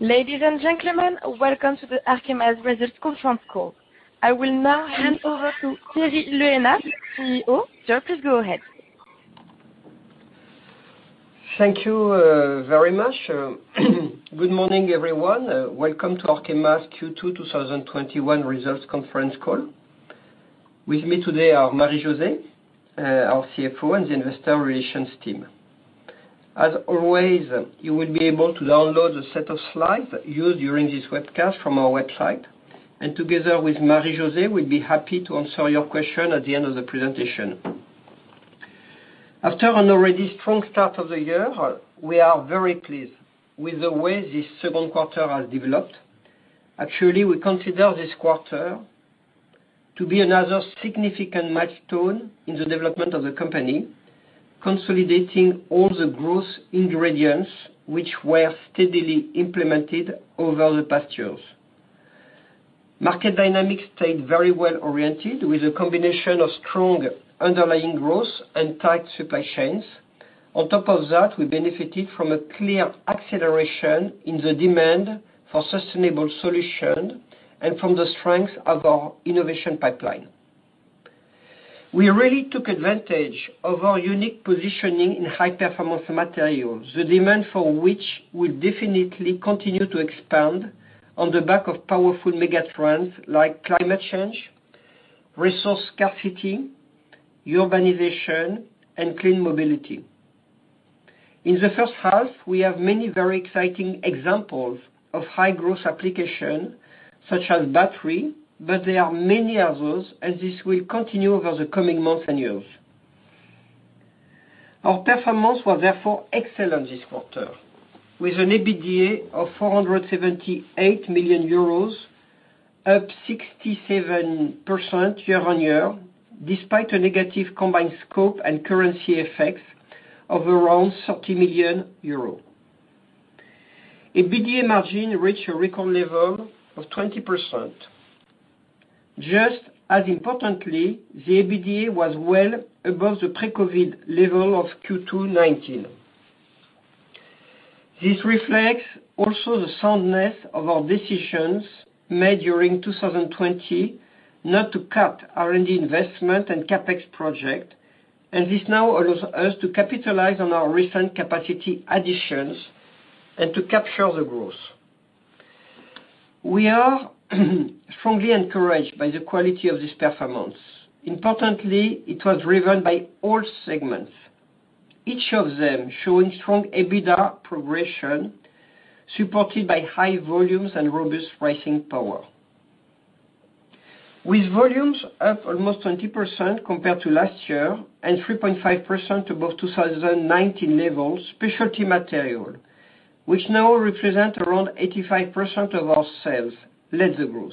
Ladies and gentlemen, welcome to the Arkema Results Conference Call. I will now hand over to Thierry Le Hénaff, CEO. Sir, please go ahead. Thank you very much. Good morning, everyone. Welcome to Arkema's Q2 2021 Results Conference Call. With me today are Marie-José, our CFO, and the investor relations team. As always, you will be able to download a set of slides used during this webcast from our website, and together with Marie-José, we'll be happy to answer your question at the end of the presentation. After an already strong start of the year, we are very pleased with the way this second quarter has developed. Actually, we consider this quarter to be another significant milestone in the development of the company, consolidating all the growth ingredients which were steadily implemented over the past years. Market dynamics stayed very well-oriented, with a combination of strong underlying growth and tight supply chains. On top of that, we benefited from a clear acceleration in the demand for sustainable solutions and from the strength of our innovation pipeline. We really took advantage of our unique positioning in high-performance materials, the demand for which will definitely continue to expand on the back of powerful megatrends like climate change, resource scarcity, urbanization, and clean mobility. In the first half, we have many very exciting examples of high-growth application, such as battery, but there are many others, and this will continue over the coming months and years. Our performance was therefore excellent this quarter, with an EBITDA of 478 million euros, up 67% year-on-year, despite a negative combined scope and currency effects of around 30 million euros. EBITDA margin reached a record level of 20%. Just as importantly, the EBITDA was well above the pre-COVID level of Q2 2019. This reflects also the soundness of our decisions made during 2020 not to cut R&D investment and CapEx project, and this now allows us to capitalize on our recent capacity additions and to capture the growth. We are strongly encouraged by the quality of this performance. Importantly, it was driven by all segments, each of them showing strong EBITDA progression, supported by high volumes and robust pricing power. With volumes up almost 20% compared to last year and 3.5% above 2019 levels, Specialty Materials, which now represents around 85% of our sales, led the growth.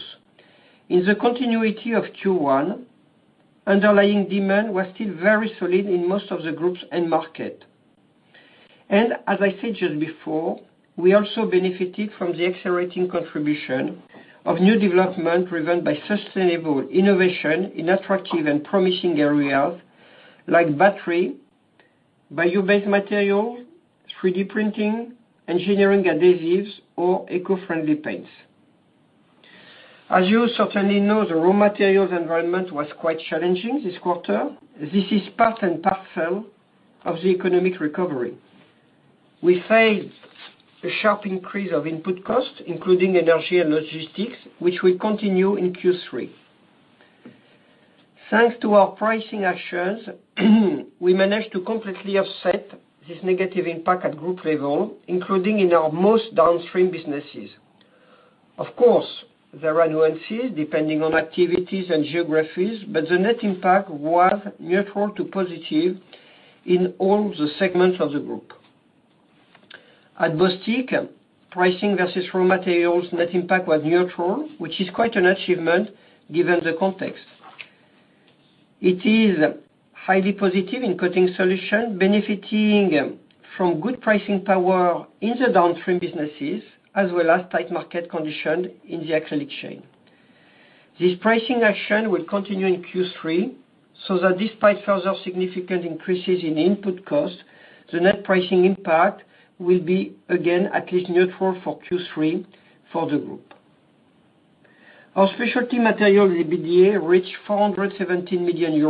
In the continuity of Q1, underlying demand was still very solid in most of the group's end market. As I said just before, we also benefited from the accelerating contribution of new development driven by sustainable innovation in attractive and promising areas like battery, bio-based material, 3D printing, engineering adhesives, or eco-friendly paints. As you certainly know, the raw materials environment was quite challenging this quarter. This is part and parcel of the economic recovery. We faced a sharp increase of input costs, including energy and logistics, which will continue in Q3. Thanks to our pricing actions, we managed to completely offset this negative impact at group level, including in our most downstream businesses. Of course, there are nuances depending on activities and geographies, but the net impact was neutral to positive in all the segments of the group. At Bostik, pricing versus raw materials net impact was neutral, which is quite an achievement given the context. It is highly positive in Coating Solutions, benefiting from good pricing power in the downstream businesses, as well as tight market conditions in the acrylic chain. This pricing action will continue in Q3, so that despite further significant increases in input costs, the net pricing impact will be again at least neutral for Q3 for the group. Our Specialty Materials EBITDA reached EUR 417 million,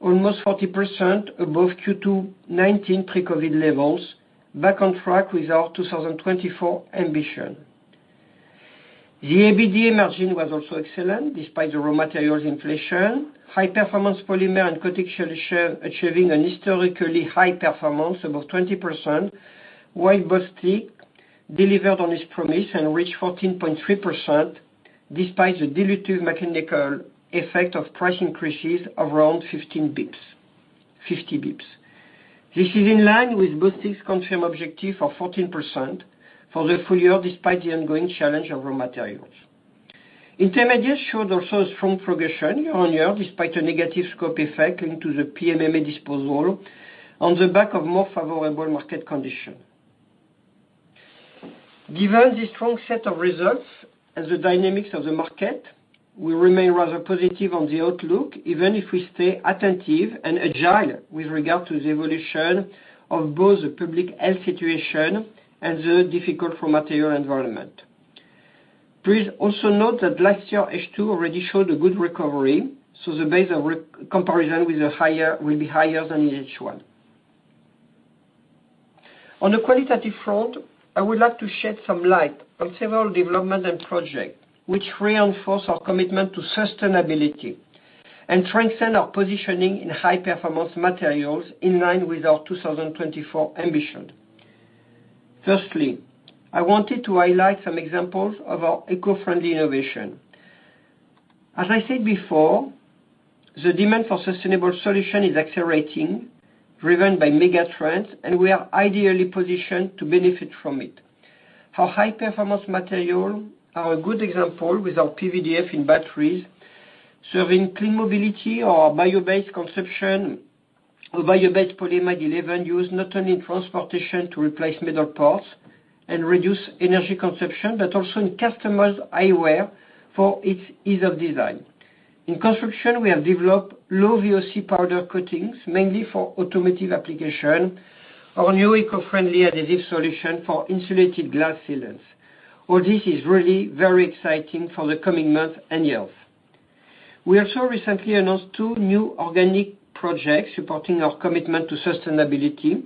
almost 40% above Q2 2019 pre-COVID levels, back on track with our 2024 ambition. The EBITDA margin was also excellent despite the raw materials inflation. High Performance Polymers and Coating Solutions achieving a historically high performance above 20%, while Bostik delivered on its promise and reached 14.3%, despite the dilutive mechanical effect of price increases of around 50 basis points. This is in line with Bostik's confirmed objective of 14% for the full year, despite the ongoing challenge of raw materials. Intermediates showed also a strong progression year-on-year, despite a negative scope effect linked to the PMMA disposal on the back of more favorable market conditions. Given this strong set of results and the dynamics of the market, we remain rather positive on the outlook, even if we stay attentive and agile with regard to the evolution of both the public health situation and the difficult raw material environment. Please also note that last year H2 already showed a good recovery, so the base of comparison will be higher than in H1. On the qualitative front, I would like to shed some light on several development and project, which reinforce our commitment to sustainability and strengthen our positioning in high-performance materials in line with our 2024 ambition. Firstly, I wanted to highlight some examples of our eco-friendly innovation. As I said before, the demand for sustainable solution is accelerating, driven by mega trends, we are ideally positioned to benefit from it. Our high-performance material are a good example with our PVDF in batteries serving clean mobility or bio-based polyamide 11 used not only in transportation to replace metal parts and reduce energy consumption, but also in customers' eyewear for its ease of design. In construction, we have developed low VOC powder coatings, mainly for automotive application. Our new eco-friendly adhesive solution for insulated glass sealants. All this is really very exciting for the coming month and years. We also recently announced two new organic projects supporting our commitment to sustainability,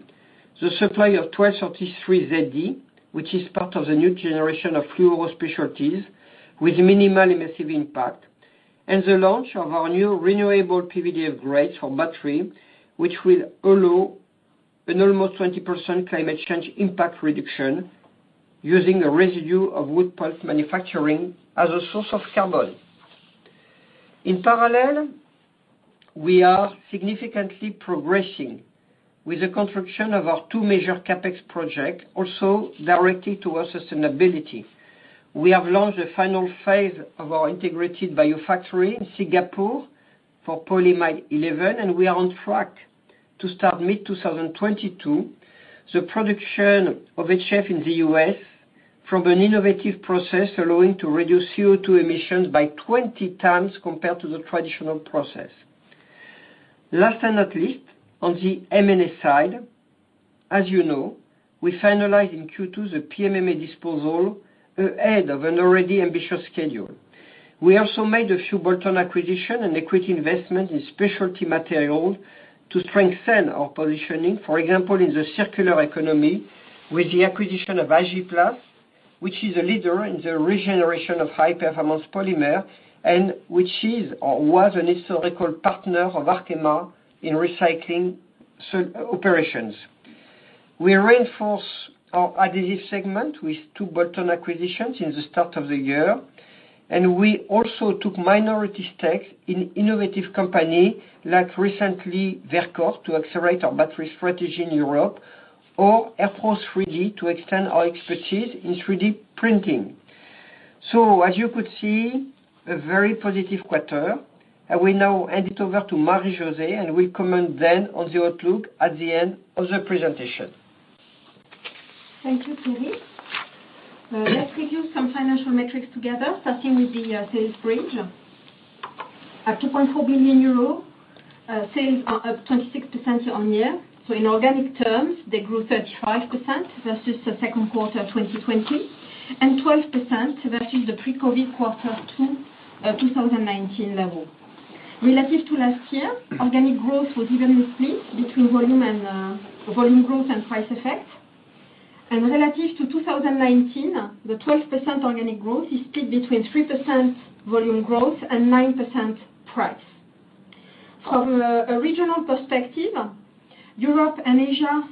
the supply of 1233zd, which is part of the new generation of fluoro specialties with minimal emission impact, and the launch of our new renewable PVDF grades for battery, which will allow an almost 20% climate change impact reduction using a residue of wood pulp manufacturing as a source of carbon. In parallel, we are significantly progressing with the construction of our two major CapEx project, also directed to our sustainability. We have launched the final phase of our integrated bio-factory in Singapore for polyamide 11, and we are on track to start mid-2022. The production of HF in the U.S. from an innovative process allowing to reduce CO2 emissions by 20 times compared to the traditional process. Last and not least, on the M&A side, as you know, we finalized in Q2 the PMMA disposal ahead of an already ambitious schedule. We also made a few bolt-on acquisition and equity investment in Specialty Materials to strengthen our positioning. For example, in the circular economy with the acquisition of Agiplast, which is a leader in the regeneration of high-performance polymer and which was an historical partner of Arkema in recycling operations. We reinforce our Adhesive segment with two bolt-on acquisitions in the start of the year. We also took minority stake in innovative company like recently Verkor to accelerate our battery strategy in Europe or ERPRO 3D to extend our expertise in 3D printing. As you could see, a very positive quarter. I will now hand it over to Marie-José, will comment then on the outlook at the end of the presentation. Thank you, Thierry. Let's review some financial metrics together, starting with the sales bridge. At 2.4 billion euro, sales are up 26% on year. In organic terms, they grew 35% versus the second quarter of 2020, and 12% versus the pre-COVID quarter two 2019 level. Relative to last year, organic growth was evenly split between volume growth and price effect. Relative to 2019, the 12% organic growth is split between 3% volume growth and 9% price. From a regional perspective, Europe and Asia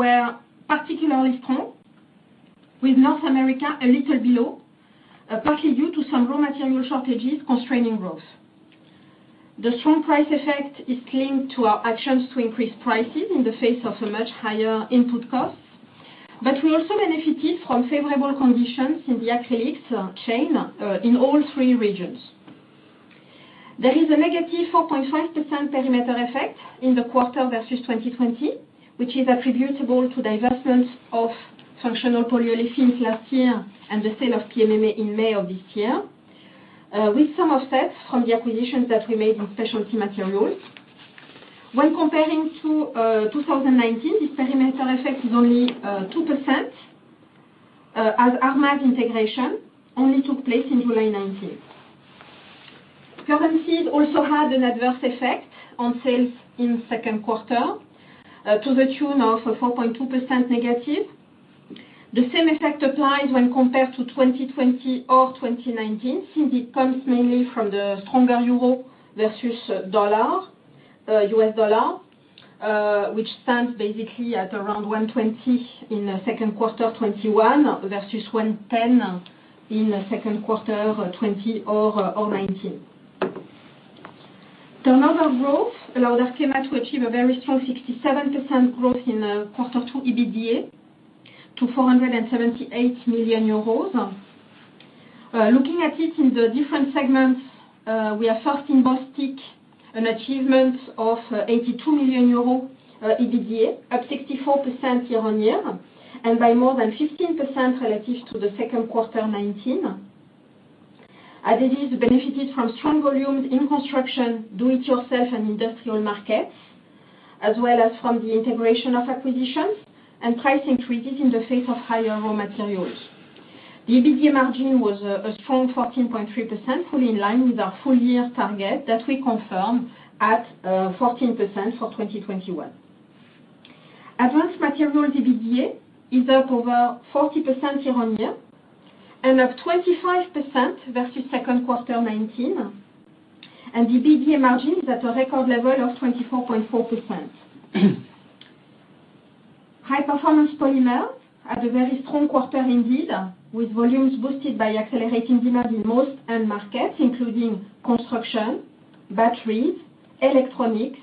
were particularly strong, with North America a little below, partly due to some raw material shortages constraining growth. The strong price effect is linked to our actions to increase prices in the face of a much higher input cost. We also benefited from favorable conditions in the acrylics chain in all three regions. There is a -4.5% perimeter effect in the quarter versus 2020, which is attributable to divestment of Functional Polyolefins last year and the sale of PMMA in May of this year, with some offsets from the acquisitions that we made in Specialty Materials. When comparing to 2019, this perimeter effect is only 2%, as ArrMaz integration only took place in July 2019. Currencies also had an adverse effect on sales in second quarter to the tune of -4.2%. The same effect applies when compared to 2020 or 2019, since it comes mainly from the stronger euro versus U.S. dollar, which stands basically at around 120 in second quarter 2021 versus 110 in second quarter 2020 or 2019. Turnover growth allowed Arkema to achieve a very strong 67% growth in quarter two EBITDA to 478 million euros. Looking at it in the different segments. We are first in Bostik, an achievement of 82 million euros EBITDA, up 64% year-on-year, and by more than 15% relative to the second quarter 2019. Adhesives benefited from strong volumes in construction, do-it-yourself, and industrial markets, as well as from the integration of acquisitions and price increases in the face of higher raw materials. The EBITDA margin was a strong 14.3%, fully in line with our full year target that we confirm at 14% for 2021. Advanced Materials EBITDA is up over 40% year-on-year and up 25% versus second quarter 2019, and EBITDA margin is at a record level of 24.4%. High Performance Polymers had a very strong quarter indeed, with volumes boosted by accelerating demand in most end markets, including construction, batteries, electronics,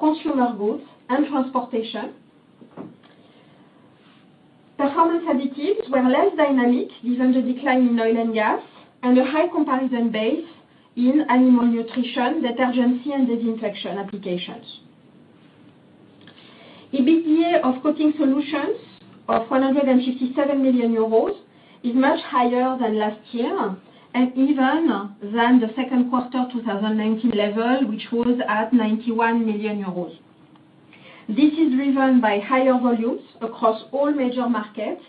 consumer goods, and transportation. Performance Additives were less dynamic given the decline in oil and gas and a high comparison base in animal nutrition, detergency, and disinfection applications. EBITDA of Coating Solutions of 457 million euros is much higher than last year and even than the second quarter 2019 level, which was at 91 million euros. This is driven by higher volumes across all major markets,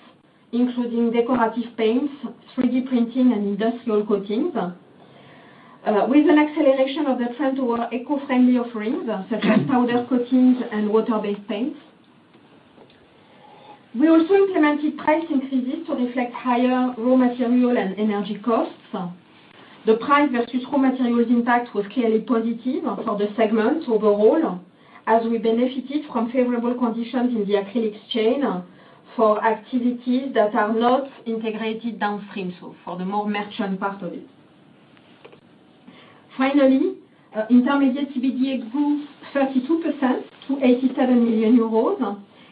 including decorative paints, 3D printing, and industrial coatings, with an acceleration of the trend toward eco-friendly offerings such as powder coatings and water-based paints. We also implemented price increases to reflect higher raw material and energy costs. The price versus raw materials impact was clearly positive for the segment overall, as we benefited from favorable conditions in the acrylics chain for activities that are not integrated downstream. For the more merchant part of it. Finally, Intermediates EBITDA grew 32% to 87 million euros,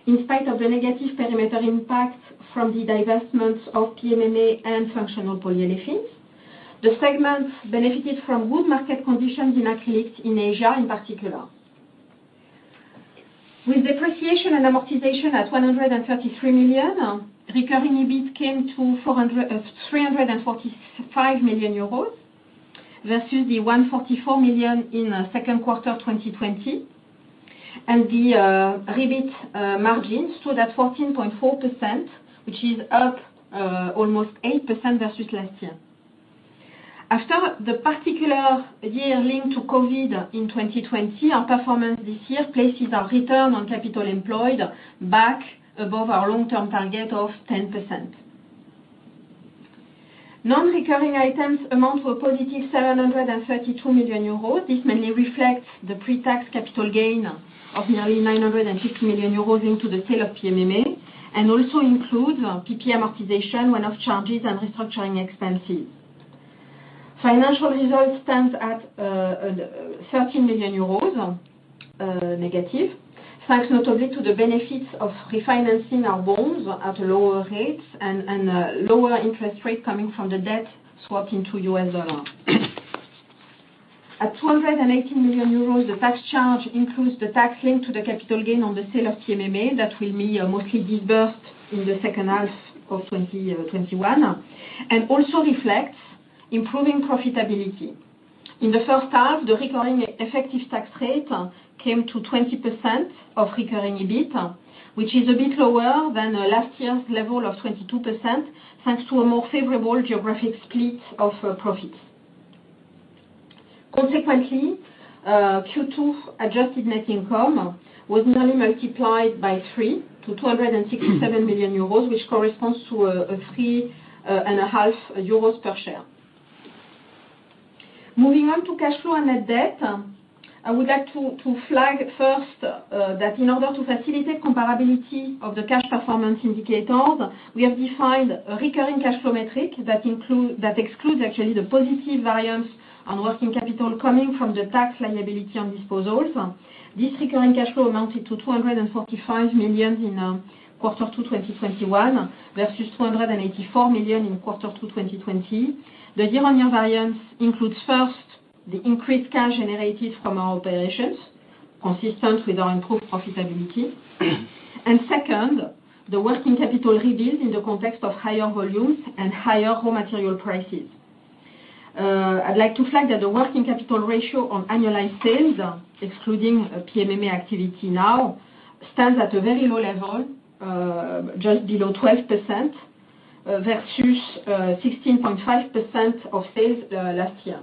in spite of the negative perimeter impact from the divestment of PMMA and Functional Polyolefins. The segment benefited from good market conditions in acrylics, in Asia in particular. With depreciation and amortization at 133 million, recurring EBIT came to 345 million euros versus the 144 million in second quarter 2020, and the EBIT margin stood at 14.4%, which is up almost 8% versus last year. After the particular year linked to COVID in 2020, our performance this year places our return on capital employed back above our long-term target of 10%. Non-recurring items amount to a positive 732 million euros. This mainly reflects the pre-tax capital gain of nearly 950 million euros linked to the sale of PMMA, and also includes PPE amortization, one-off charges, and restructuring expenses. Financial results stands at -13 million euros, thanks notably to the benefits of refinancing our bonds at lower rates and lower interest rate coming from the debt swap into U.S. dollar. At 218 million euros, the tax charge includes the tax linked to the capital gain on the sale of PMMA that will be mostly disbursed in the second half of 2021, and also reflects improving profitability. In the first half, the recurring effective tax rate came to 20% of recurring EBIT, which is a bit lower than last year's level of 22%, thanks to a more favorable geographic split of profits. Q2 adjusted net income was nearly multiplied by three to 267 million euros, which corresponds to 3.5 euros per share. Moving on to cash flow and net debt, I would like to flag first that in order to facilitate comparability of the cash performance indicators, we have defined a recurring cash flow metric that excludes actually the positive variance on working capital coming from the tax liability on disposals. This recurring cash flow amounted to 245 million in Q2 2021, versus 284 million in Q2 2020. The year-on-year variance includes first, the increased cash generated from our operations, consistent with our improved profitability. Second, the working capital rebuild in the context of higher volumes and higher raw material prices. I'd like to flag that the working capital ratio on annualized sales, excluding PMMA activity now, stands at a very low level, just below 12%, versus 16.5% of sales last year.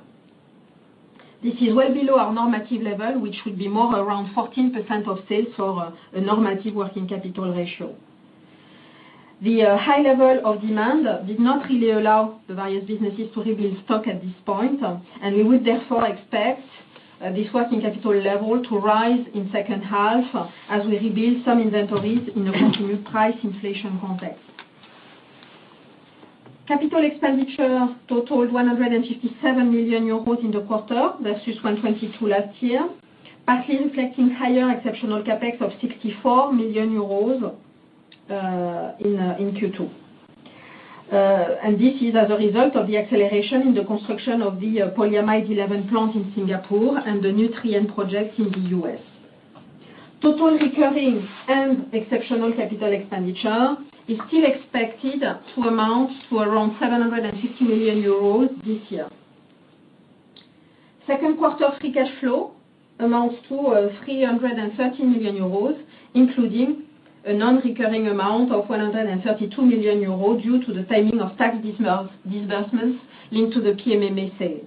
This is well below our normative level, which would be more around 14% of sales for a normative working capital ratio. We would therefore expect this working capital level to rise in second half as we rebuild some inventories in a continued price inflation context. Capital expenditure totaled 157 million euros in the quarter versus 122 last year, partly reflecting higher exceptional CapEx of 64 million euros in Q2. This is as a result of the acceleration in the construction of the polyamide 11 plant in Singapore and the Nutrien project in the U.S. Total recurring and exceptional capital expenditure is still expected to amount to around 750 million euros this year. Second quarter free cash flow amounts to 330 million euros, including a non-recurring amount of 132 million euros due to the timing of tax disbursements linked to the PMMA sale.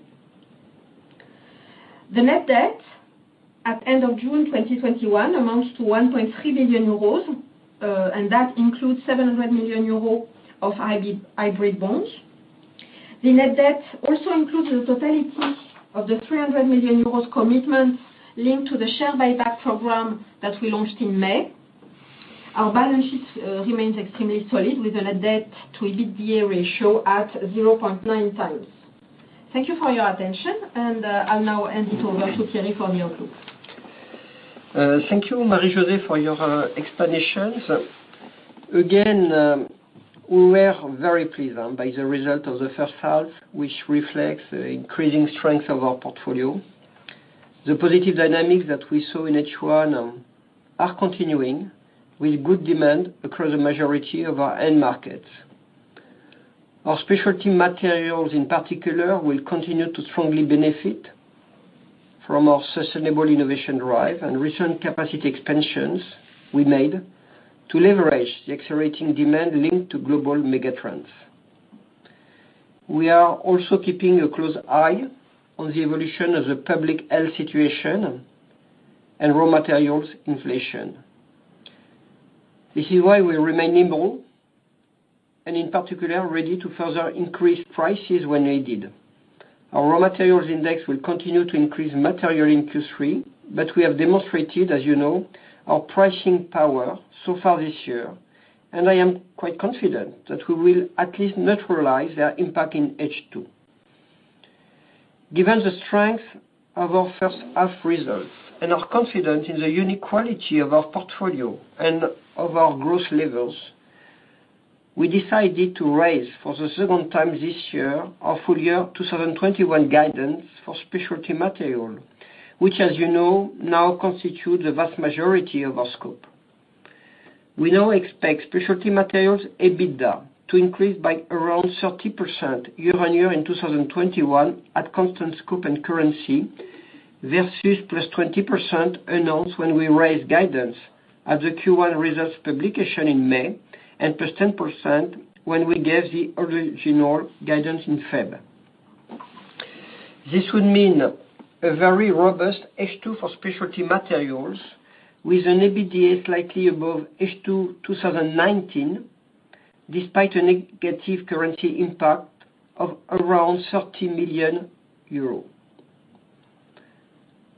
The net debt at end of June 2021 amounts to 1.3 billion euros. That includes 700 million euros of hybrid bonds. The net debt also includes the totality of the 300 million euros commitment linked to the share buyback program that we launched in May. Our balance sheet remains extremely solid, with a net debt to EBITDA ratio at 0.9x. Thank you for your attention. I'll now hand it over to Thierry for more. Thank you, Marie-José, for your explanations. Again, we were very pleased by the result of the first half, which reflects the increasing strength of our portfolio. The positive dynamics that we saw in H1 are continuing, with good demand across a majority of our end markets. Our Specialty Materials in particular, will continue to strongly benefit from our sustainable innovation drive and recent capacity expansions we made to leverage the accelerating demand linked to global megatrends. We are also keeping a close eye on the evolution of the public health situation and raw materials inflation. This is why we remain nimble, and in particular, ready to further increase prices when needed. Our raw materials index will continue to increase materially in Q3, but we have demonstrated, as you know, our pricing power so far this year, and I am quite confident that we will at least neutralize their impact in H2. Given the strength of our first half results and our confidence in the unique quality of our portfolio and of our growth levels, we decided to raise, for the second time this year, our full year 2021 guidance for Specialty Materials, which, as you know now, constitutes the vast majority of our scope. We now expect Specialty Materials EBITDA to increase by around 30% year-on-year in 2021, at constant scope and currency, versus +20% announced when we raised guidance at the Q1 results publication in May, and +10% when we gave the original guidance in February. This would mean a very robust H2 for Specialty Materials with an EBITDA slightly above H2 2019, despite a negative currency impact of around 30 million euros.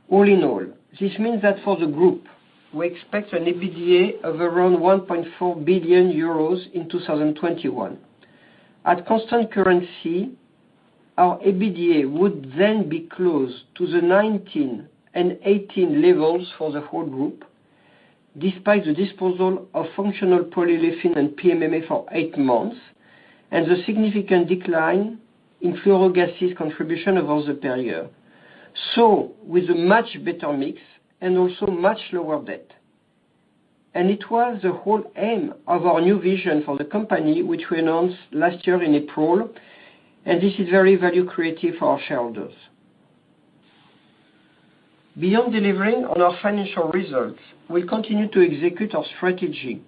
All in all, this means that for the group, we expect an EBITDA of around 1.4 billion euros in 2021. At constant currency, our EBITDA would then be close to the 2019 and 2018 levels for the whole group, despite the disposal of Functional Polyolefins and PMMA for eight months, and the significant decline in Fluorogases contribution over the period. With a much better mix and also much lower debt. It was the whole aim of our new vision for the company, which we announced last year in April, and this is very value creative for our shareholders. Beyond delivering on our financial results, we'll continue to execute our strategy,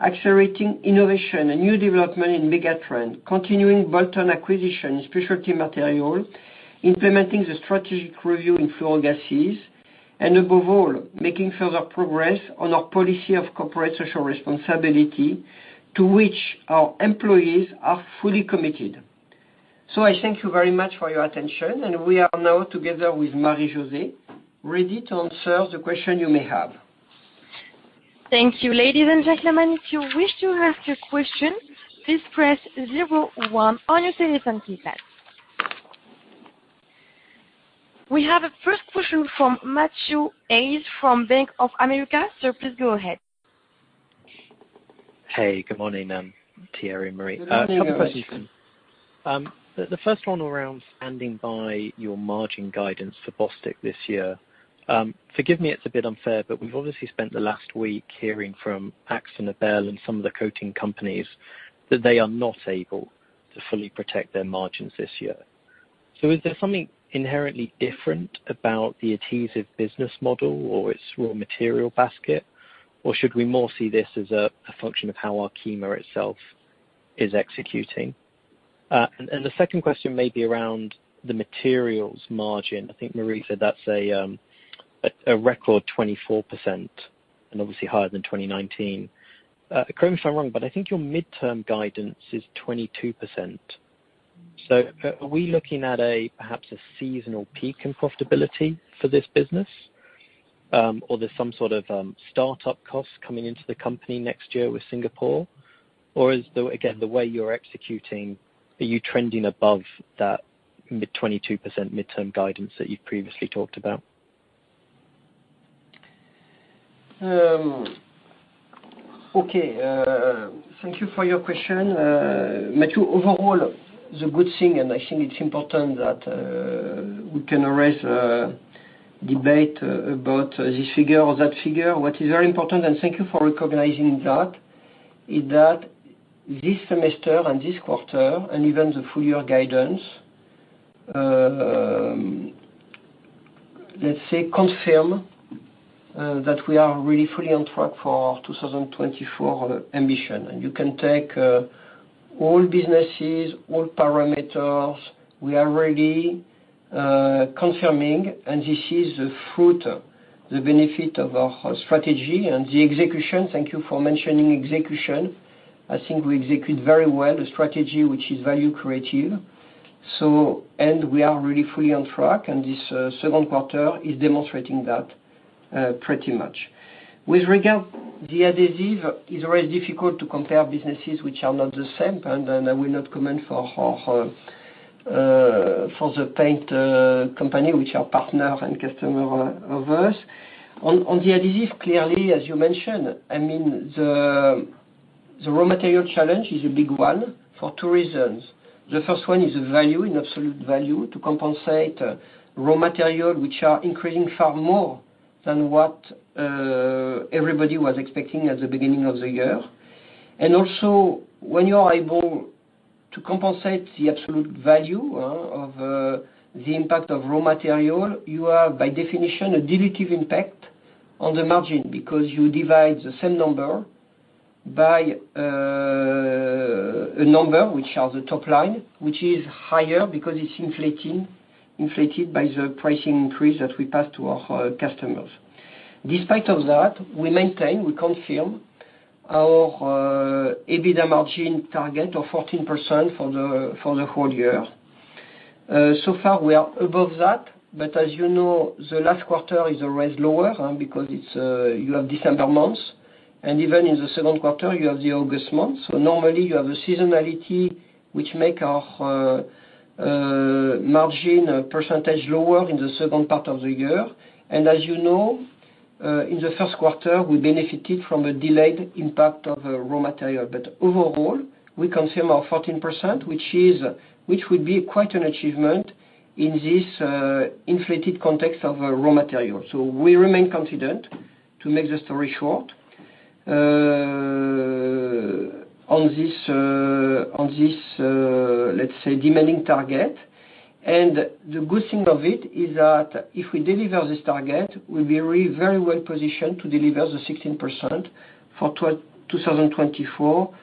accelerating innovation and new development in megatrend, continuing bolt-on acquisition in Specialty Materials, implementing the strategic review in Fluorogases, and above all, making further progress on our policy of corporate social responsibility to which our employees are fully committed. I thank you very much for your attention, and we are now together with Marie-José, ready to answer the question you may have. Thank you. Ladies and gentlemen, if you wish to ask a question, please press zero one on your telephone keypad. We have a first question from Matthew Yates from Bank of America. Please go ahead. Hey, good morning, Thierry and Marie. Good morning Matthew. Couple questions. The first one around standing by your margin guidance for Bostik this year. Forgive me, it's a bit unfair. We've obviously spent the last week hearing from AkzoNobel and some of the coating companies that they are not able to fully protect their margins this year. Is there something inherently different about the adhesive business model or its raw material basket, or should we more see this as a function of how Arkema itself is executing? The second question may be around the materials margin. I think Marie said that's a record 24%, and obviously higher than 2019. Correct me if I'm wrong, but I think your midterm guidance is 22%. Are we looking at perhaps a seasonal peak in profitability for this business? There's some sort of startup cost coming into the company next year with Singapore? Again, the way you're executing, are you trending above that mid 22% midterm guidance that you've previously talked about? Okay. Thank you for your question, Matthew. Overall, the good thing, I think it's important that we can raise a debate about this figure or that figure. What is very important, thank you for recognizing that, is that this semester and this quarter and even the full year guidance, let's say, confirm that we are really fully on track for 2024 ambition. You can take all businesses, all parameters. We are really confirming, this is the fruit, the benefit of our strategy and the execution. Thank you for mentioning execution. I think we execute very well the strategy, which is value creative. We are really fully on track. This second quarter is demonstrating that pretty much. With regard the adhesive, it's very difficult to compare businesses which are not the same, I will not comment for the paint company, which are partner and customer of ours. On the adhesive, clearly, as you mentioned, the raw material challenge is a big one for two reasons. The first one is the value in absolute value to compensate raw material, which are increasing far more than what everybody was expecting at the beginning of the year. Also, when you are able to compensate the absolute value of the impact of raw material, you are by definition a dilutive impact on the margin because you divide the same number by a number which are the top line, which is higher because it's inflated by the pricing increase that we pass to our customers. Despite of that, we maintain, we confirm our EBITDA margin target of 14% for the whole year. Far we are above that, but as you know, the last quarter is always lower because you have December months, and even in the second quarter, you have the August month. Normally you have a seasonality which make our margin percentage lower in the second part of the year. As you know, in the first quarter, we benefited from a delayed impact of raw material. Overall, we confirm our 14%, which would be quite an achievement in this inflated context of raw material. We remain confident to make the story short on this, let's say, demanding target. The good thing of it is that if we deliver this target, we will be very well positioned to deliver the 16% for 2024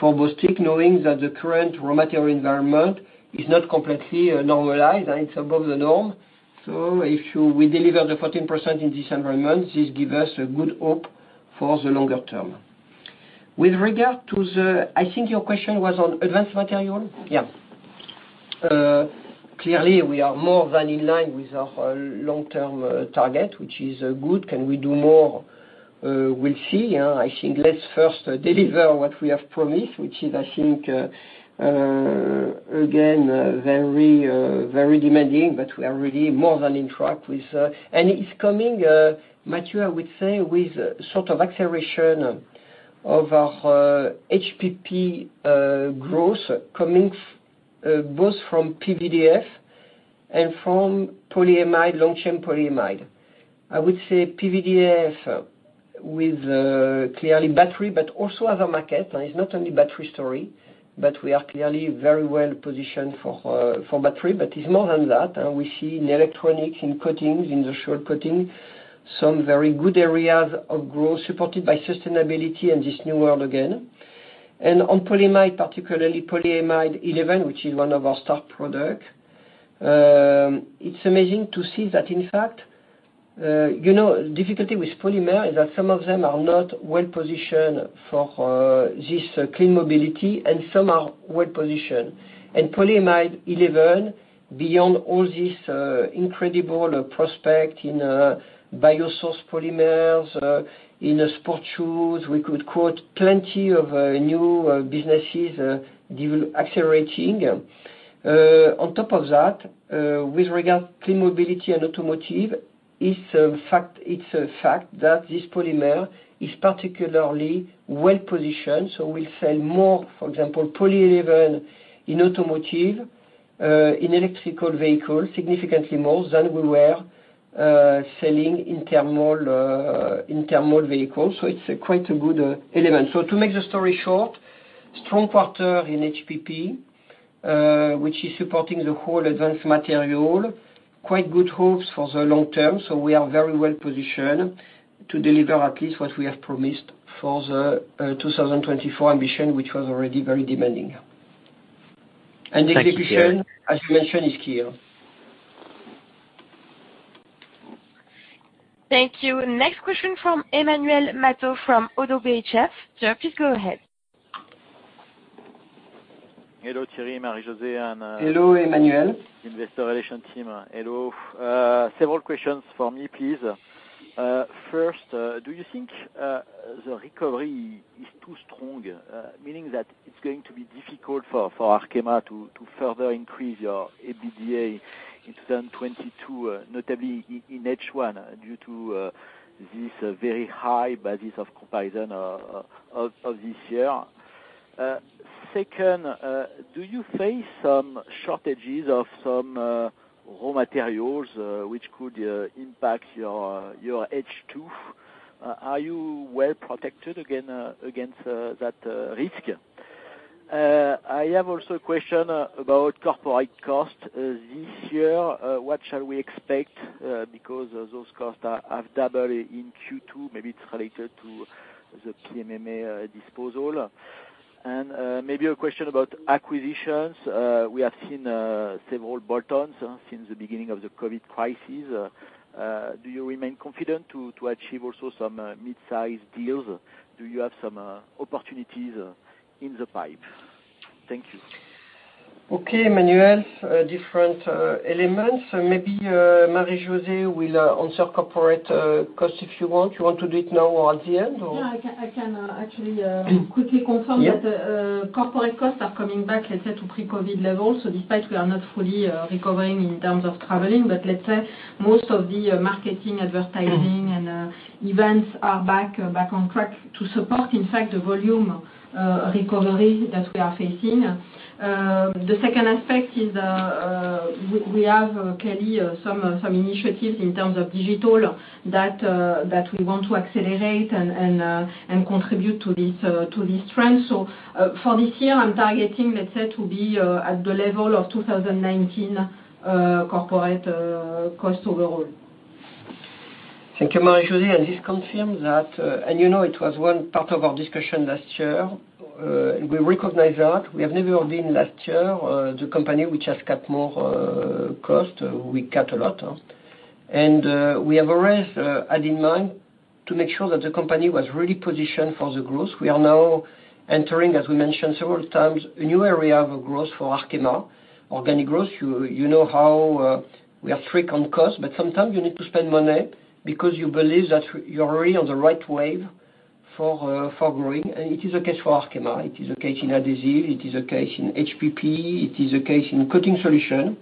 for Bostik, knowing that the current raw material environment is not completely normalized and it is above the norm. If we deliver the 14% in December month, this give us a good hope for the longer term. I think your question was on Advanced Materials? Yeah. Clearly, we are more than in line with our long-term target, which is good. Can we do more? We will see. I think let us first deliver what we have promised, which is, I think again, very demanding, but we are really more than on track. It is coming, Matthew, I would say with sort of acceleration of our HPP growth coming both from PVDF and from long chain polyamide. I would say PVDF with clearly battery, but also other market. It's not only battery story, but we are clearly very well positioned for battery. It's more than that. We see in electronics, in coatings, in the short coating, some very good areas of growth supported by sustainability and this new world again. On polyamide, particularly polyamide 11, which is one of our star product. It's amazing to see that in fact, difficulty with polymer is that some of them are not well positioned for this clean mobility, and some are well positioned. Polyamide 11, beyond all this incredible prospect in biosourced polymers, in sport shoes, we could quote plenty of new businesses accelerating. On top of that, with regard clean mobility and automotive, it's a fact that this polymer is particularly well positioned. We sell more, for example, poly 11 in automotive, in electrical vehicles, significantly more than we were selling in thermal vehicles. It's quite a good element. To make the story short, strong quarter in HPP, which is supporting the whole Advanced Materials. Quite good hopes for the long term. We are very well positioned to deliver at least what we have promised for the 2024 ambition, which was already very demanding. Thank you, Thierry. Execution, as we mentioned, is key. Thank you. Next question from Emmanuel Matot from ODDO BHF. Sir, please go ahead. Hello, Thierry, Marie-José. Hello, Emmanuel. Investor relation team. Hello. Several questions for me, please. First, do you think the recovery is too strong? Meaning that it's going to be difficult for Arkema to further increase your EBITDA in 2022, notably in H1 due to this very high basis of comparison of this year. Second, do you face some shortages of some raw materials which could impact your H2? Are you well protected against that risk? I have also a question about corporate cost this year. What shall we expect? Because those costs have doubled in Q2, maybe it's related to the PMMA disposal. Maybe a question about acquisitions. We have seen several bolt-ons since the beginning of the COVID crisis. Do you remain confident to achieve also some mid-size deals? Do you have some opportunities in the pipe? Thank you. Okay, Emmanuel. Different elements. Maybe Marie-José will answer corporate cost if you want. You want to do it now or at the end, or? Yeah, I can actually quickly confirm that corporate costs are coming back, let's say, to pre-COVID levels. Despite we are not fully recovering in terms of traveling, but let's say most of the marketing, advertising, and events are back on track to support, in fact, the volume recovery that we are facing. The second aspect is we have, clearly, some initiatives in terms of digital that we want to accelerate and contribute to this trend. For this year, I'm targeting, let's say, to be at the level of 2019 corporate cost overall. Thank you, Marie-José. This confirms that. We recognize that. We have never been last year the company which has cut more cost. We cut a lot. We have always had in mind to make sure that the company was really positioned for the growth. We are now entering, as we mentioned several times, a new area of growth for Arkema, organic growth. You know how we are strict on cost, but sometimes you need to spend money because you believe that you're really on the right wave for growing. It is okay for Arkema. It is okay in Adhesives, it is okay in HPP, it is okay in Coating Solutions,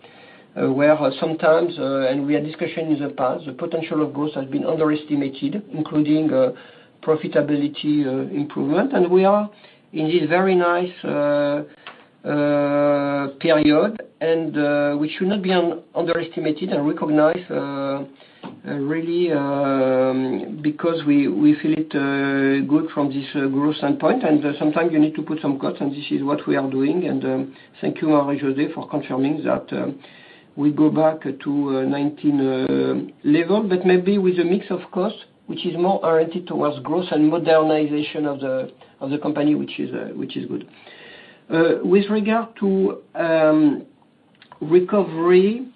where sometimes, and we had discussion in the past, the potential of growth has been underestimated, including profitability improvement. We are in this very nice period, and we should not be underestimated and recognize really because we feel it good from this growth standpoint, and sometimes you need to put some cost, and this is what we are doing. Thank you, Marie-José, for confirming that we go back to 2019 level, but maybe with a mix of cost, which is more oriented towards growth and modernization of the company, which is good. With regard to recovery,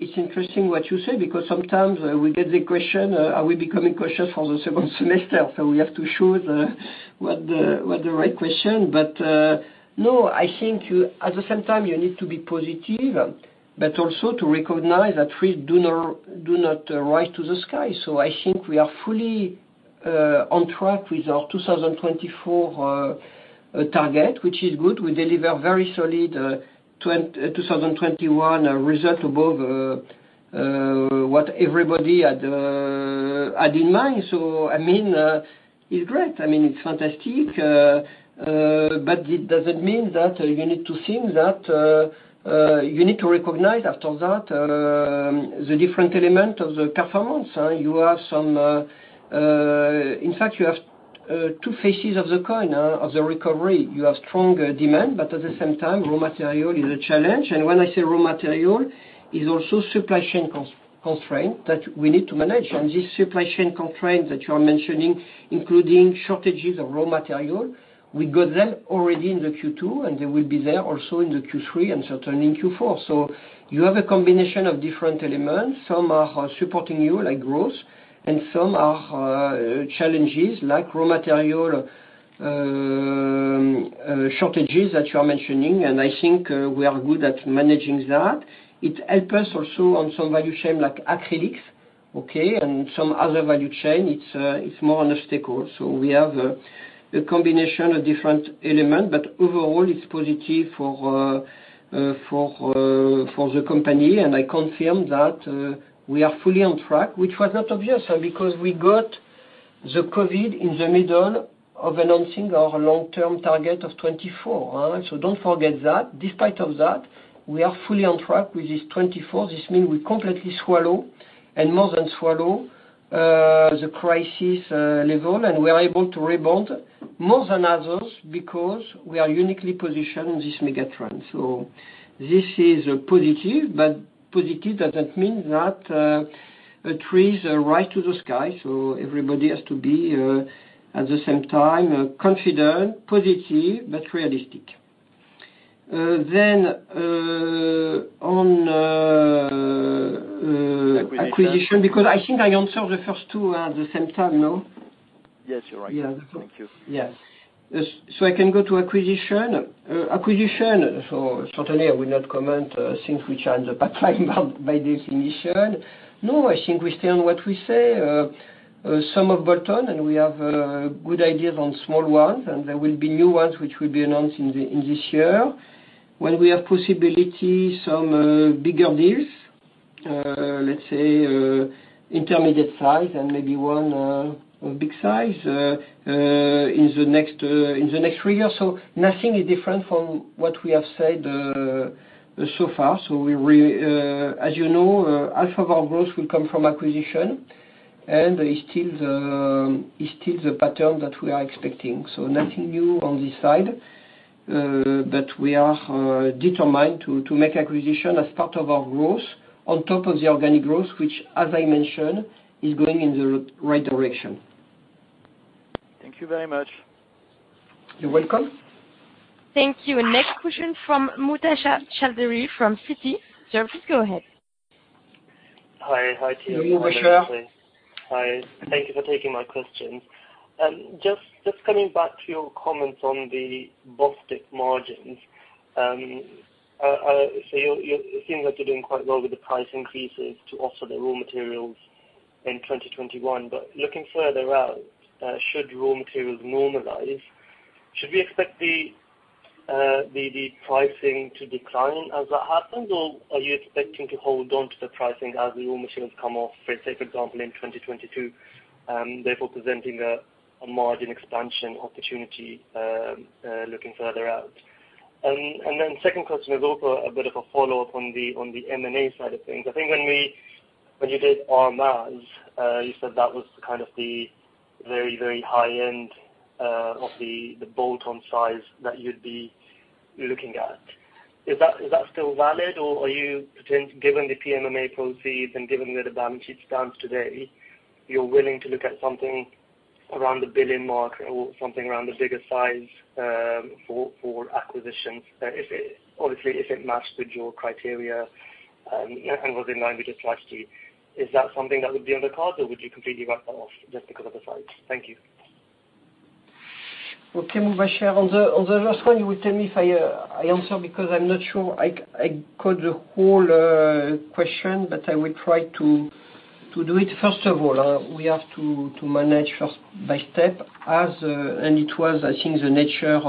it's interesting what you say because sometimes we get the question, are we becoming cautious for the second semester? We have to show what the right question, but no, I think at the same time you need to be positive, but also to recognize that trees do not rise to the sky. I think we are fully on track with our 2024 target, which is good. We deliver very solid 2021 result above what everybody had in mind. It's great. It's fantastic. It doesn't mean that you need to think that you need to recognize after that the different element of the performance. In fact, you have two faces of the coin of the recovery. You have strong demand, but at the same time, raw material is a challenge. When I say raw material, it's also supply chain constraint that we need to manage. This supply chain constraint that you are mentioning, including shortages of raw material, we got them already in the Q2, and they will be there also in the Q3 and certainly in Q4. You have a combination of different elements. Some are supporting you, like growth, and some are challenges, like raw material shortages that you are mentioning, and I think we are good at managing that. It helps us also on some value chain like acrylics, okay, and some other value chain, it's more on a sticking point. We have a combination of different elements, but overall, it's positive for the company. I confirm that we are fully on track, which was not obvious because we got the COVID in the middle of announcing our long-term target of 2024. Don't forget that. Despite that, we are fully on track with this 2024. This means we completely swallow and more than swallow the crisis level, and we are able to rebound more than others because we are uniquely positioned in this megatrend. This is positive, but positive doesn't mean that trees rise to the sky. Everybody has to be at the same time confident, positive, but realistic. On- Acquisition acquisition, because I think I answered the first 2 at the same time, no? Yes, you're right. Yeah. Thank you. Yes. I can go to acquisition. Acquisition, certainly I will not comment since we are in the pipeline by definition. No, I think we stand what we say. Some have bought on, we have good ideas on small ones, and there will be new ones which will be announced in this year. When we have possibility, some bigger deals let's say, intermediate size and maybe one big size in the next three years. Nothing is different from what we have said so far. As you know, half of our growth will come from acquisition, and it's still the pattern that we are expecting. Nothing new on this side. We are determined to make acquisition as part of our growth on top of the organic growth, which, as I mentioned, is going in the right direction. Thank you very much. You're welcome. Thank you. Next question from Mubasher Chaudhry from Citi. Sir, please go ahead. Hi, Thierry. Hello, Mubasher. Hi. Thank you for taking my questions. Coming back to your comments on the Bostik margins. It seems like you're doing quite well with the price increases to offset the raw materials in 2021. Looking further out, should raw materials normalize, should we expect the pricing to decline as that happens? Are you expecting to hold on to the pricing as the raw materials come off, let's say, for example, in 2022, therefore presenting a margin expansion opportunity looking further out? Second question is also a bit of a follow-up on the M&A side of things. I think when you did ArrMaz, you said that was kind of the very, very high end of the bolt-on size that you'd be looking at. Is that still valid, or are you prepared, given the PMMA proceeds and given where the balance sheet stands today, you're willing to look at something around the 1 billion mark or something around the bigger size for acquisitions, obviously, if it matches with your criteria and was in line with your strategy. Is that something that would be on the cards, or would you completely write that off just because of the size? Thank you. Okay, Mubasher. On the last one, you will tell me if I answer because I'm not sure I caught the whole question, but I will try to do it. First of all, we have to manage first by step. It was, I think, the nature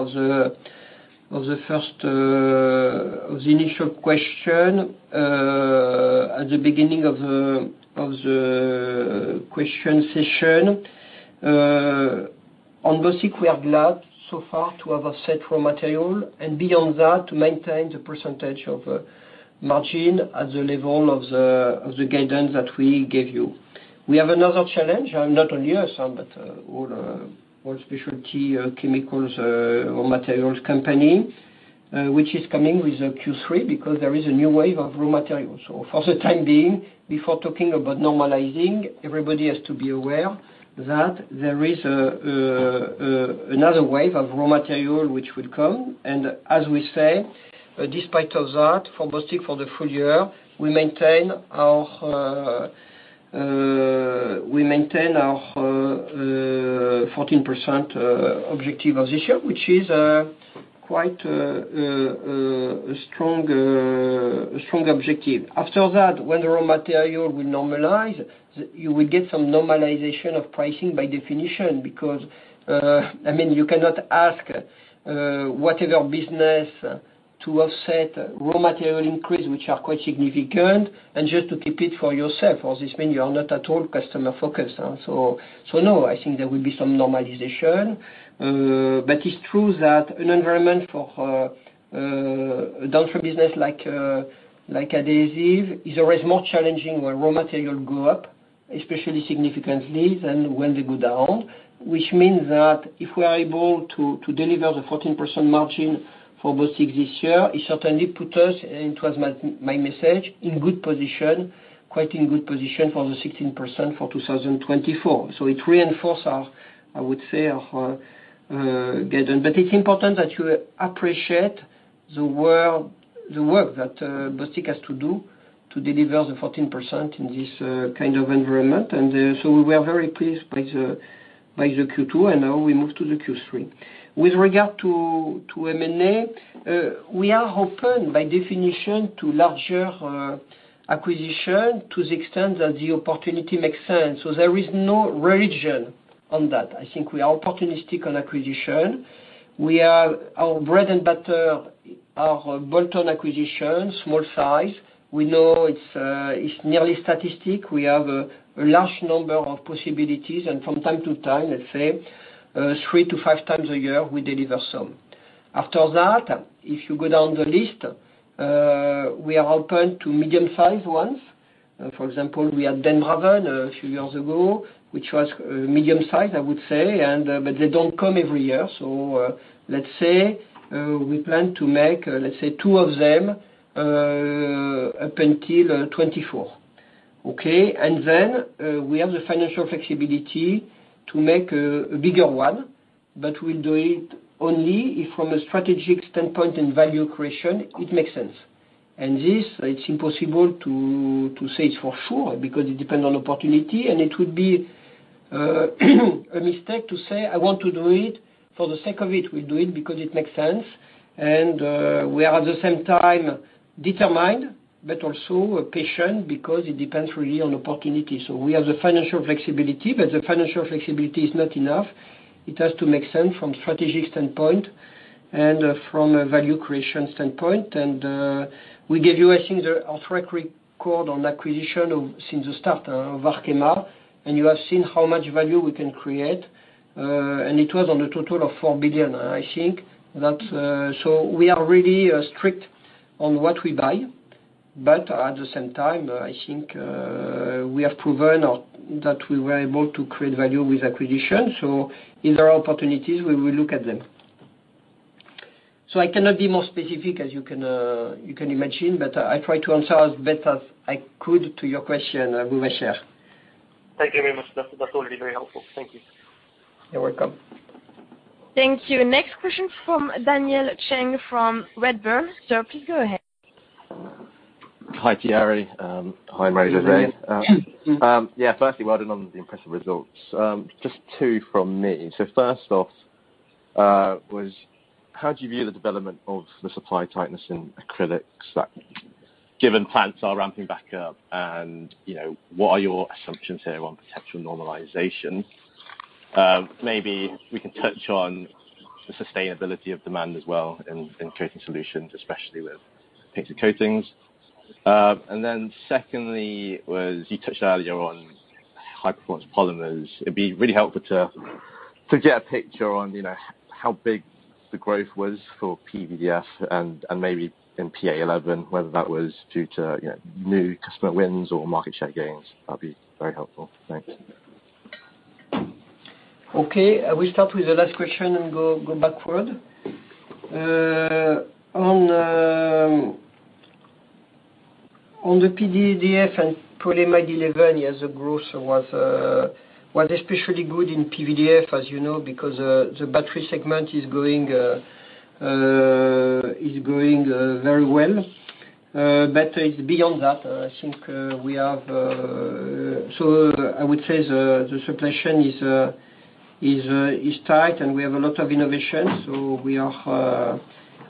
of the initial question at the beginning of the question session. On Bostik, we are glad so far to have offset raw material and beyond that, to maintain the percentage of margin at the level of the guidance that we gave you. We have another challenge, not only us, but all specialty chemicals or materials company, which is coming with the Q3 because there is a new wave of raw materials. For the time being, before talking about normalizing, everybody has to be aware that there is another wave of raw material which would come. As we say, despite of that, for Bostik for the full year, we maintain our 14% objective of this year, which is quite a strong objective. After that, when the raw material will normalize, you will get some normalization of pricing by definition. You cannot ask whatever business to offset raw material increase, which are quite significant and just to keep it for yourself. This means you are not at all customer focused. No, I think there will be some normalization. It is true that an environment for a downstream business like adhesive is always more challenging when raw material go up, especially significantly, than when they go down. It means that if we are able to deliver the 14% margin for Bostik this year, it certainly put us, it was my message, in good position, quite in good position for the 16% for 2024. It reinforce our, I would say, our guidance. It's important that you appreciate the work that Bostik has to do to deliver the 14% in this kind of environment. We were very pleased by the Q2, and now we move to the Q3. With regard to M&A, we are open by definition to larger acquisition to the extent that the opportunity makes sense. There is no religion on that. I think we are opportunistic on acquisition. Our bread and butter are bolt-on acquisitions, small size. We know it's nearly statistic. We have a large number of possibilities, and from time to time, let's say three to five times a year, we deliver some. After that, if you go down the list, we are open to medium size ones. For example, we had Den Braven a few years ago, which was medium size, I would say. They don't come every year. Let's say we plan to make, let's say two of them up until 2024. Okay? We have the financial flexibility to make a bigger one, but we'll do it only if from a strategic standpoint and value creation, it makes sense. This, it's impossible to say it for sure because it depends on opportunity and it would be a mistake to say I want to do it. For the sake of it, we do it because it makes sense and we are at the same time determined but also patient because it depends really on opportunity. We have the financial flexibility, but the financial flexibility is not enough. It has to make sense from strategic standpoint and from a value creation standpoint. We gave you, I think, our track record on acquisition since the start of Arkema, and you have seen how much value we can create. It was on a total of 4 billion, I think. We are really strict on what we buy. At the same time, I think, we have proven that we were able to create value with acquisition. If there are opportunities, we will look at them. I cannot be more specific as you can imagine, but I try to answer as best as I could to your question, Mubasher. Thank you very much. That's already very helpful. Thank you. You're welcome. Thank you. Next question from Daniel Chung from Redburn. Sir, please go ahead. Hi, Thierry. Hi, Marie-José. Hi, Daniel. Yeah. Firstly, well done on the impressive results. Just two from me. First off was how do you view the development of the supply tightness in acrylics that given plants are ramping back up, and what are your assumptions here on potential normalization? Maybe we can touch on the sustainability of demand as well in Coating Solutions, especially with painted coatings. Secondly was, you touched earlier on High Performance Polymers. It'd be really helpful to get a picture on how big the growth was for PVDF and maybe in PA11, whether that was due to new customer wins or market share gains. That'd be very helpful. Thanks. I will start with the last question and go backward. On the PVDF and polyamide 11, yes, the growth was especially good in PVDF, as you know, because the battery segment is growing very well. It's beyond that. I would say the supply chain is tight, and we have a lot of innovation. We are,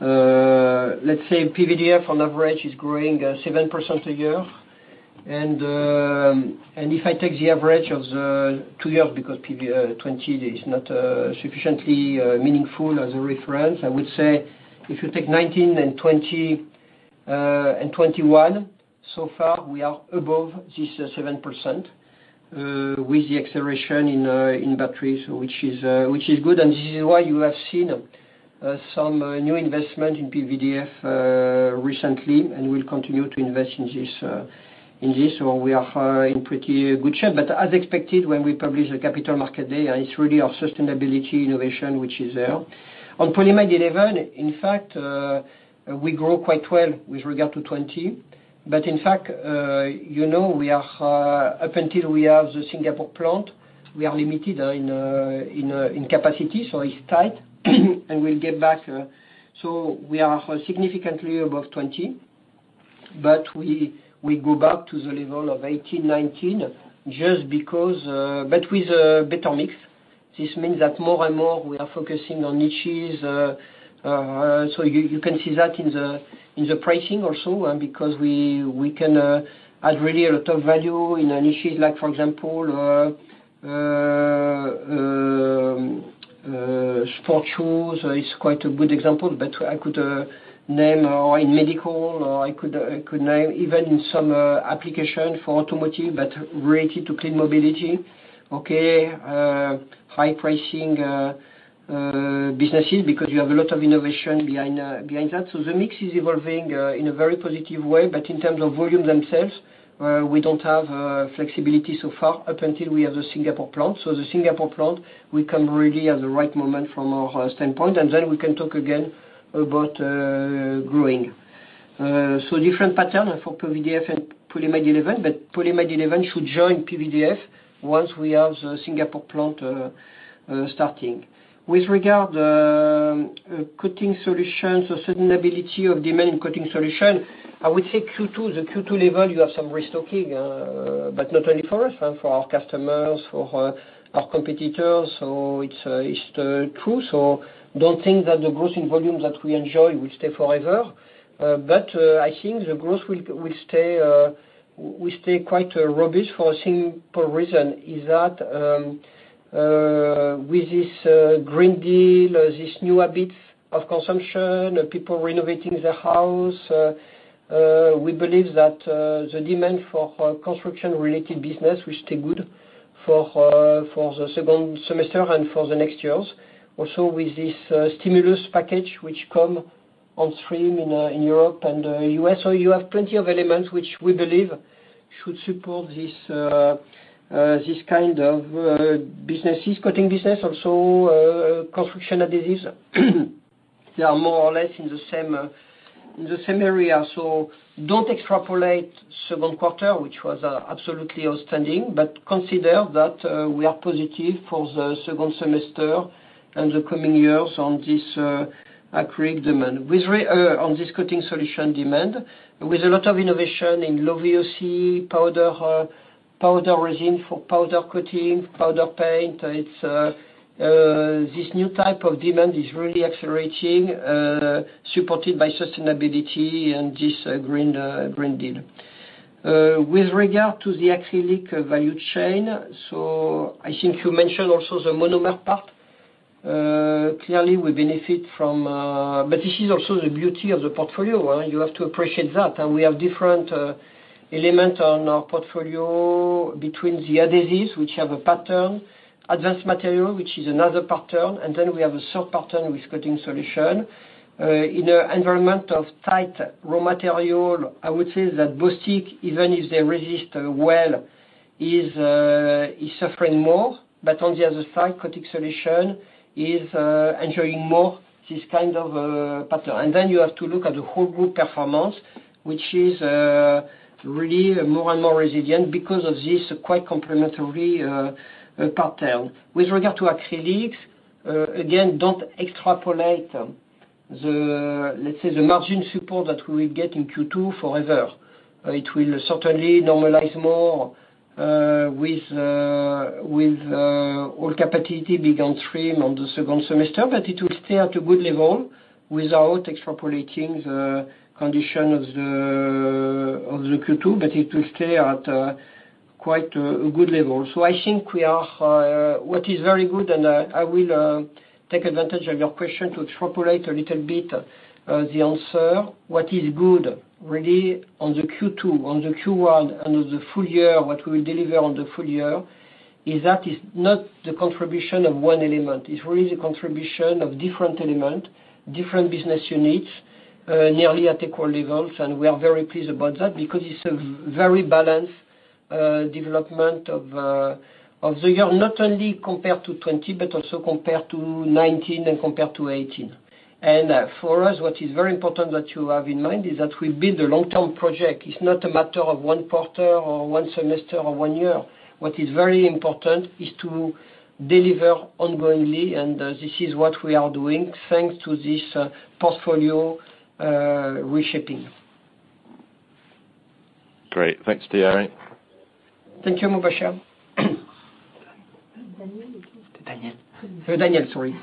let's say PVDF on average is growing 7% a year. If I take the average of the two years because 2020 is not sufficiently meaningful as a reference. I would say if you take 2019 and 2021, so far we are above this 7%, with the acceleration in batteries, which is good, and this is why you have seen some new investment in PVDF recently, and we'll continue to invest in this, where we are in pretty good shape. As expected when we publish the Capital Markes Day, it's really our sustainability innovation, which is there. On polyamide 11, in fact, we grow quite well with regard to 2020. In fact, up until we have the Singapore plant, we are limited in capacity, so it's tight, and we'll get back. We are significantly above 2020, but we go back to the level of 2018, 2019, but with a better mix. This means that more and more we are focusing on niches. You can see that in the pricing also, and because we can add really a lot of value in a niche, like for example, sport shoes is quite a good example, but I could name, or in medical, or I could name even in some application for automotive but related to clean mobility. High pricing businesses because you have a lot of innovation behind that. The mix is evolving in a very positive way. In terms of volume themselves, we don't have flexibility so far up until we have the Singapore plant. The Singapore plant, we can really at the right moment from our standpoint, and then we can talk again about growing. Different pattern for PVDF and polyamide 11, but polyamide 11 should join PVDF once we have the Singapore plant starting. With regard to Coating Solutions or sustainability of demand in Coating Solutions, I would say the Q2 level, you have some restocking, but not only for us, for our customers, for our competitors. It's true. Don't think that the growth in volume that we enjoy will stay forever. I think the growth will stay quite robust for a simple reason, is that with this European Green Deal, this new habits of consumption, people renovating their house, we believe that the demand for construction-related business will stay good for the second semester and for the next years. With this stimulus package, which come on stream in Europe and U.S. You have plenty of elements which we believe should support this kind of businesses, Coating Solutions, also Adhesives. They are more or less in the same area. Don't extrapolate second quarter, which was absolutely outstanding. Consider that we are positive for the second semester and the coming years on this acrylic demand. On this Coating Solutions demand, with a lot of innovation in low VOC, powder resin for powder coating, powder paint. This new type of demand is really accelerating, supported by sustainability and this Green Deal. With regard to the acrylic value chain, I think you mentioned also the monomer part. Clearly, we benefit from. This is also the beauty of the portfolio. You have to appreciate that. We have different elements on our portfolio between the Adhesives, which have a pattern, Advanced Materials, which is another pattern, and then we have a third pattern with Coating Solutions. In an environment of tight raw material, I would say that Bostik, even if they resist well, is suffering more. On the other side, Coating Solutions is enjoying more this kind of a pattern. You have to look at the whole group performance, which is really more and more resilient because of this quite complementary pattern. With regard to acrylics, again, don't extrapolate the, let's say, the margin support that we get in Q2 forever. It will certainly normalize more with all capacity being on stream on the second semester, but it will stay at a good level without extrapolating the condition of the Q2, but it will stay at quite a good level. I think what is very good, and I will take advantage of your question to extrapolate a little bit the answer. What is good really on the Q2, on the Q1, and on the full year, what we will deliver on the full year is that is not the contribution of one element. It's really the contribution of different element, different business units, nearly at equal levels. We are very pleased about that because it's a very balanced development of the year, not only compared to 2020, but also compared to 2019 and compared to 2018. For us, what is very important that you have in mind is that we build a long-term project. It's not a matter of one quarter or one semester or one year. What is very important is to deliver ongoingly, and this is what we are doing, thanks to this portfolio reshaping. Great. Thanks, Thierry. Thank you, Mubasher. Daniel. Daniel. Sorry.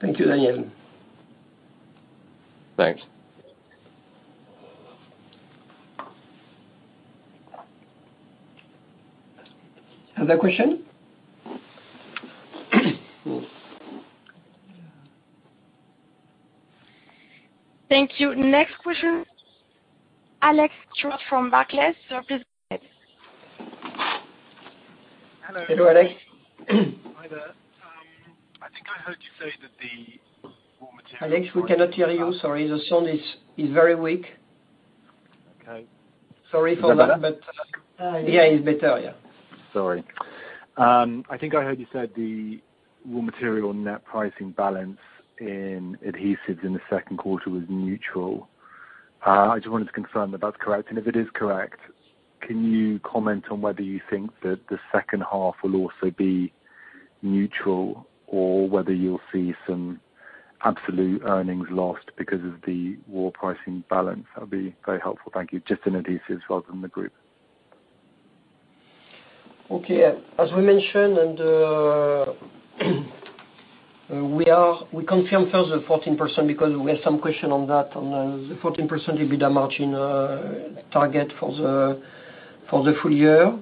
Thank you, Daniel. Thanks. Other question? Thank you. Next question, Alex Stewart from Barclays. Sir, please go ahead. Hello, Alex. Hi there. I think I heard you say that the raw material. Alex, we cannot hear you. Sorry. The sound is very weak. Okay. Sorry for that. Is that better? Yeah. Yeah, it's better. Yeah. Sorry. I think I heard you said the raw material net pricing balance in Adhesives in the second quarter was neutral. I just wanted to confirm if that's correct. If it is correct, can you comment on whether you think that the second half will also be neutral or whether you'll see some absolute earnings lost because of the raw pricing balance? That'd be very helpful. Thank you. Just in Adhesives rather than the group. Okay. As we mentioned, we confirm first the 14% because we have some question on that, on the 14% EBITDA margin target for the full year.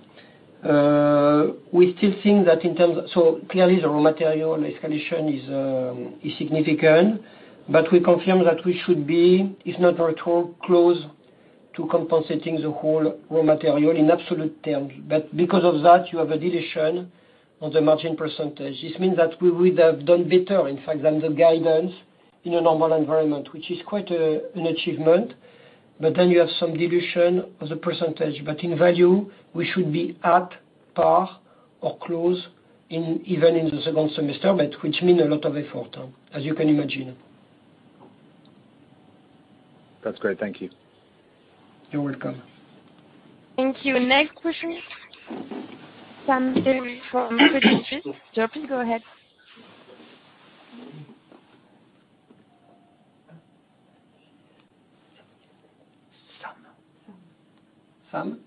Clearly, the raw material escalation is significant, but we confirm that we should be, if not very close to compensating the whole raw material in absolute terms. Because of that, you have a dilution on the margin percentage. This means that we would have done better, in fact, than the guidance in a normal environment, which is quite an achievement. You have some dilution of the percentage. In value, we should be at par or close even in the second semester, but which mean a lot of effort, as you can imagine. That's great. Thank you. You're welcome. Thank you. Next question, Sam Perry from Credit Suisse. Sir, please go ahead. Sam. Sam.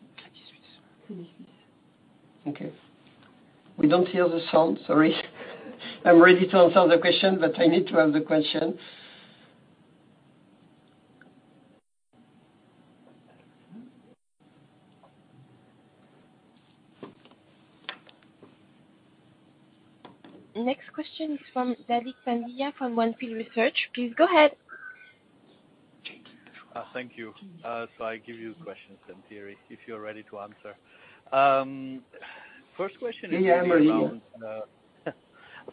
Sam? Okay. We don't hear the sound. Sorry. I'm ready to answer the question, but I need to have the question. Next question is from Jaideep Pandya from On Field Research. Please go ahead. Jaideep. Thank you. I give you the question, Thierry, if you're ready to answer. First question is really. Yeah, I'm ready.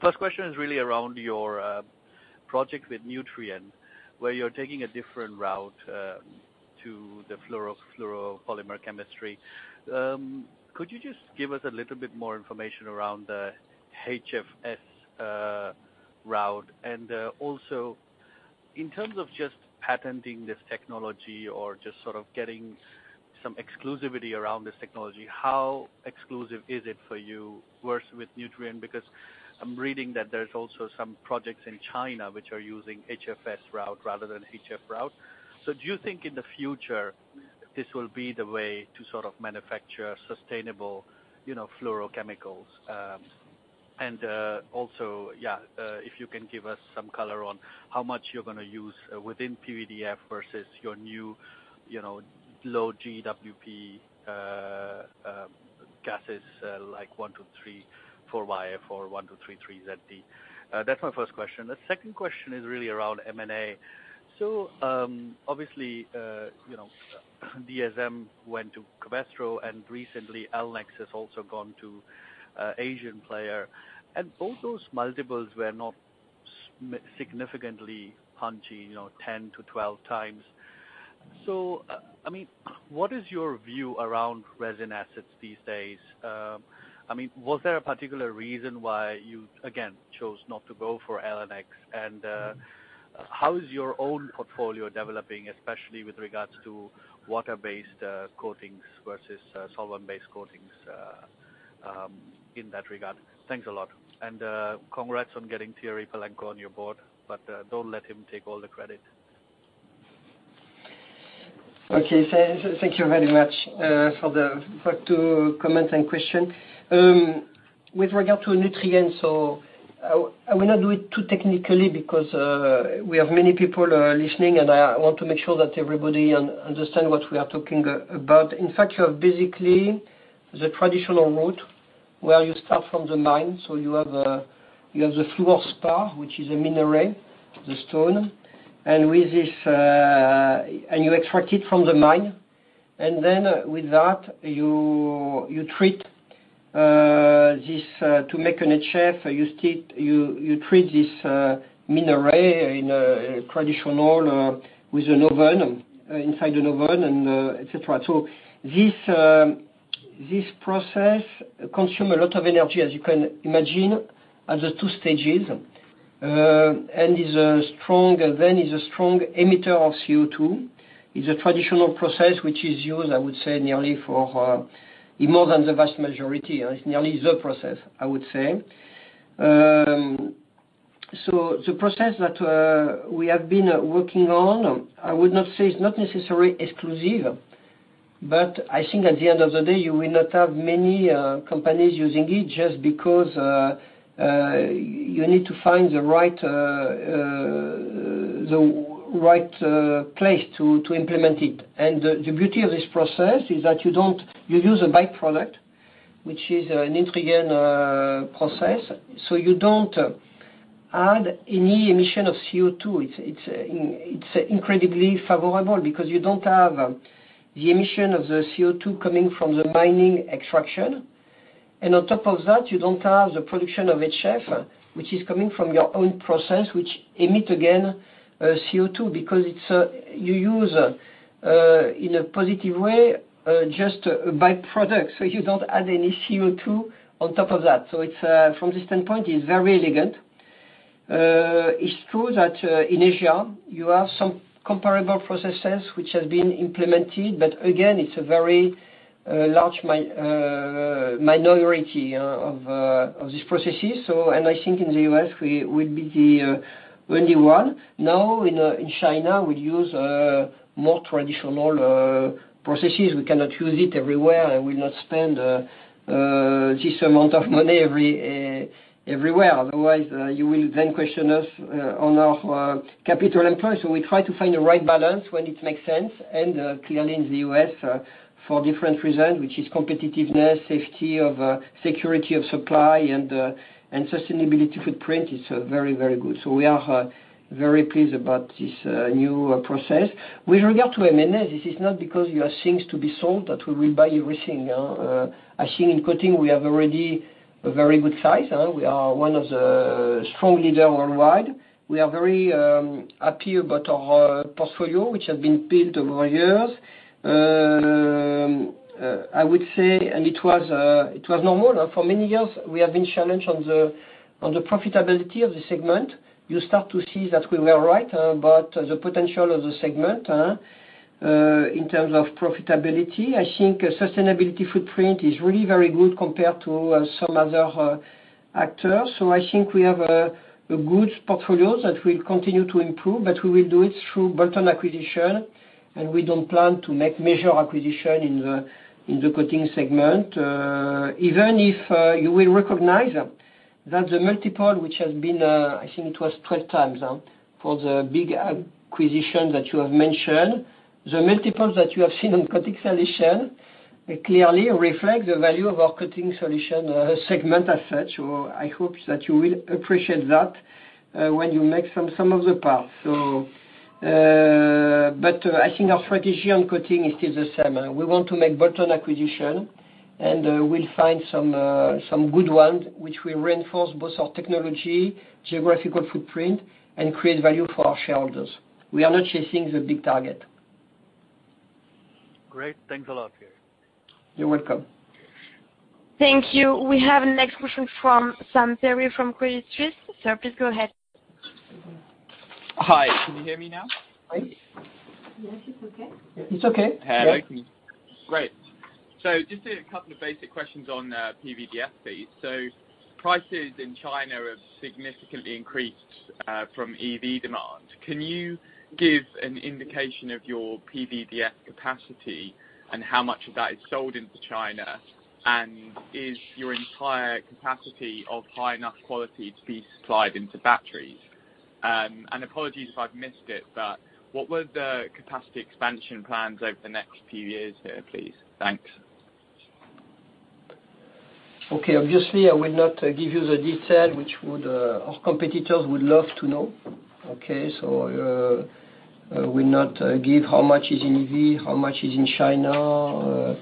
First question is really around your project with Nutrien, where you're taking a different route to the fluoropolymer chemistry. Could you just give us a little bit more information around the HFCs route? In terms of just patenting this technology or just sort of getting some exclusivity around this technology, how exclusive is it for you versus with Nutrien? Because I'm reading that there's also some projects in China which are using HFCs route rather than HF route. Do you think in the future this will be the way to sort of manufacture sustainable fluorochemicals? If you can give us some color on how much you're going to use within PVDF versus your new, low GWP gases, like 1234yf or 1233zd. That's my first question. The second question is really around M&A. Obviously, DSM went to Covestro and recently Allnex has also gone to Asian player. Both those multiples were not significantly punchy, 10x-12x. What is your view around resin assets these days? Was there a particular reason why you, again, chose not to go for Allnex? How is your own portfolio developing, especially with regards to water-based coatings versus solvent-based coatings in that regard? Thanks a lot. Congrats on getting Thierry Pilenko on your board, but don't let him take all the credit. Okay. Thank you very much for the two comments and question. With regard to Nutrien, I will not do it too technically because we have many people listening, and I want to make sure that everybody understand what we are talking about. In fact, you have basically the traditional route where you start from the mine. You have the fluorspar, which is a mineral, the stone. You extract it from the mine. With that, you treat this to make an HF. You treat this mineral in a traditional with an oven, inside an oven, and et cetera. This process consume a lot of energy, as you can imagine, at the two stages. Is a strong emitter of CO2. It's a traditional process which is used, I would say, in more than the vast majority. It's nearly the process, I would say. The process that we have been working on, I would not say it's not necessarily exclusive, but I think at the end of the day, you will not have many companies using it just because you need to find the right place to implement it. The beauty of this process is that you use a by-product, which is a Nutrien process. You don't add any emission of CO2. It's incredibly favorable because you don't have the emission of the CO2 coming from the mining extraction. On top of that, you don't have the production of HF, which is coming from your own process, which emit, again, CO2. You use, in a positive way, just by-product. You don't add any CO2 on top of that. From this standpoint, it's very elegant. It's true that in Asia you have some comparable processes which have been implemented. Again, it's a very large minority of these processes. I think in the U.S., we will be the only one. Now in China, we use more traditional processes. We cannot use it everywhere and will not spend this amount of money everywhere. Otherwise, you will then question us on our capital employed. We try to find the right balance when it makes sense. Clearly in the U.S., for different reasons, which is competitiveness, safety of security of supply and sustainability footprint is very, very good. We are very pleased about this new process. With regard to M&A, this is not because you have things to be sold that we will buy everything. I think in Coating, we have already a very good size. We are one of the strong leader worldwide. We are very happy about our portfolio, which has been built over years. I would say, it was normal. For many years, we have been challenged on the profitability of the segment. You start to see that we were right about the potential of the segment in terms of profitability. I think sustainability footprint is really very good compared to some other actors. I think we have a good portfolio that we'll continue to improve, but we will do it through bolt-on acquisition, and we don't plan to make major acquisition in the Coating Solutions segment. Even if you will recognize that the multiple which has been, I think it was 12x for the big acquisition that you have mentioned. The multiples that you have seen on Coating Solutions clearly reflect the value of our Coating Solutions segment as such. I hope that you will appreciate that when you make some of the parts. I think our strategy on Coating Solutions, it is the same. We want to make bolt-on acquisition, and we'll find some good ones which will reinforce both our technology, geographical footprint, and create value for our shareholders. We are not chasing the big target. Great. Thanks a lot, Thierry. You're welcome. Thank you. We have the next question from Sam Perry from Credit Suisse. Sir, please go ahead. Hi, can you hear me now? Yes, it's okay. It's okay. Hello. Great. Just two basic questions on PVDF, please. Prices in China have significantly increased from EV demand. Can you give an indication of your PVDF capacity and how much of that is sold into China? Is your entire capacity of high enough quality to be supplied into batteries? Apologies if I've missed it, what were the capacity expansion plans over the next few years here, please? Thanks. Okay. Obviously, I will not give you the detail, which our competitors would love to know. Okay. I will not give how much is in EV, how much is in China.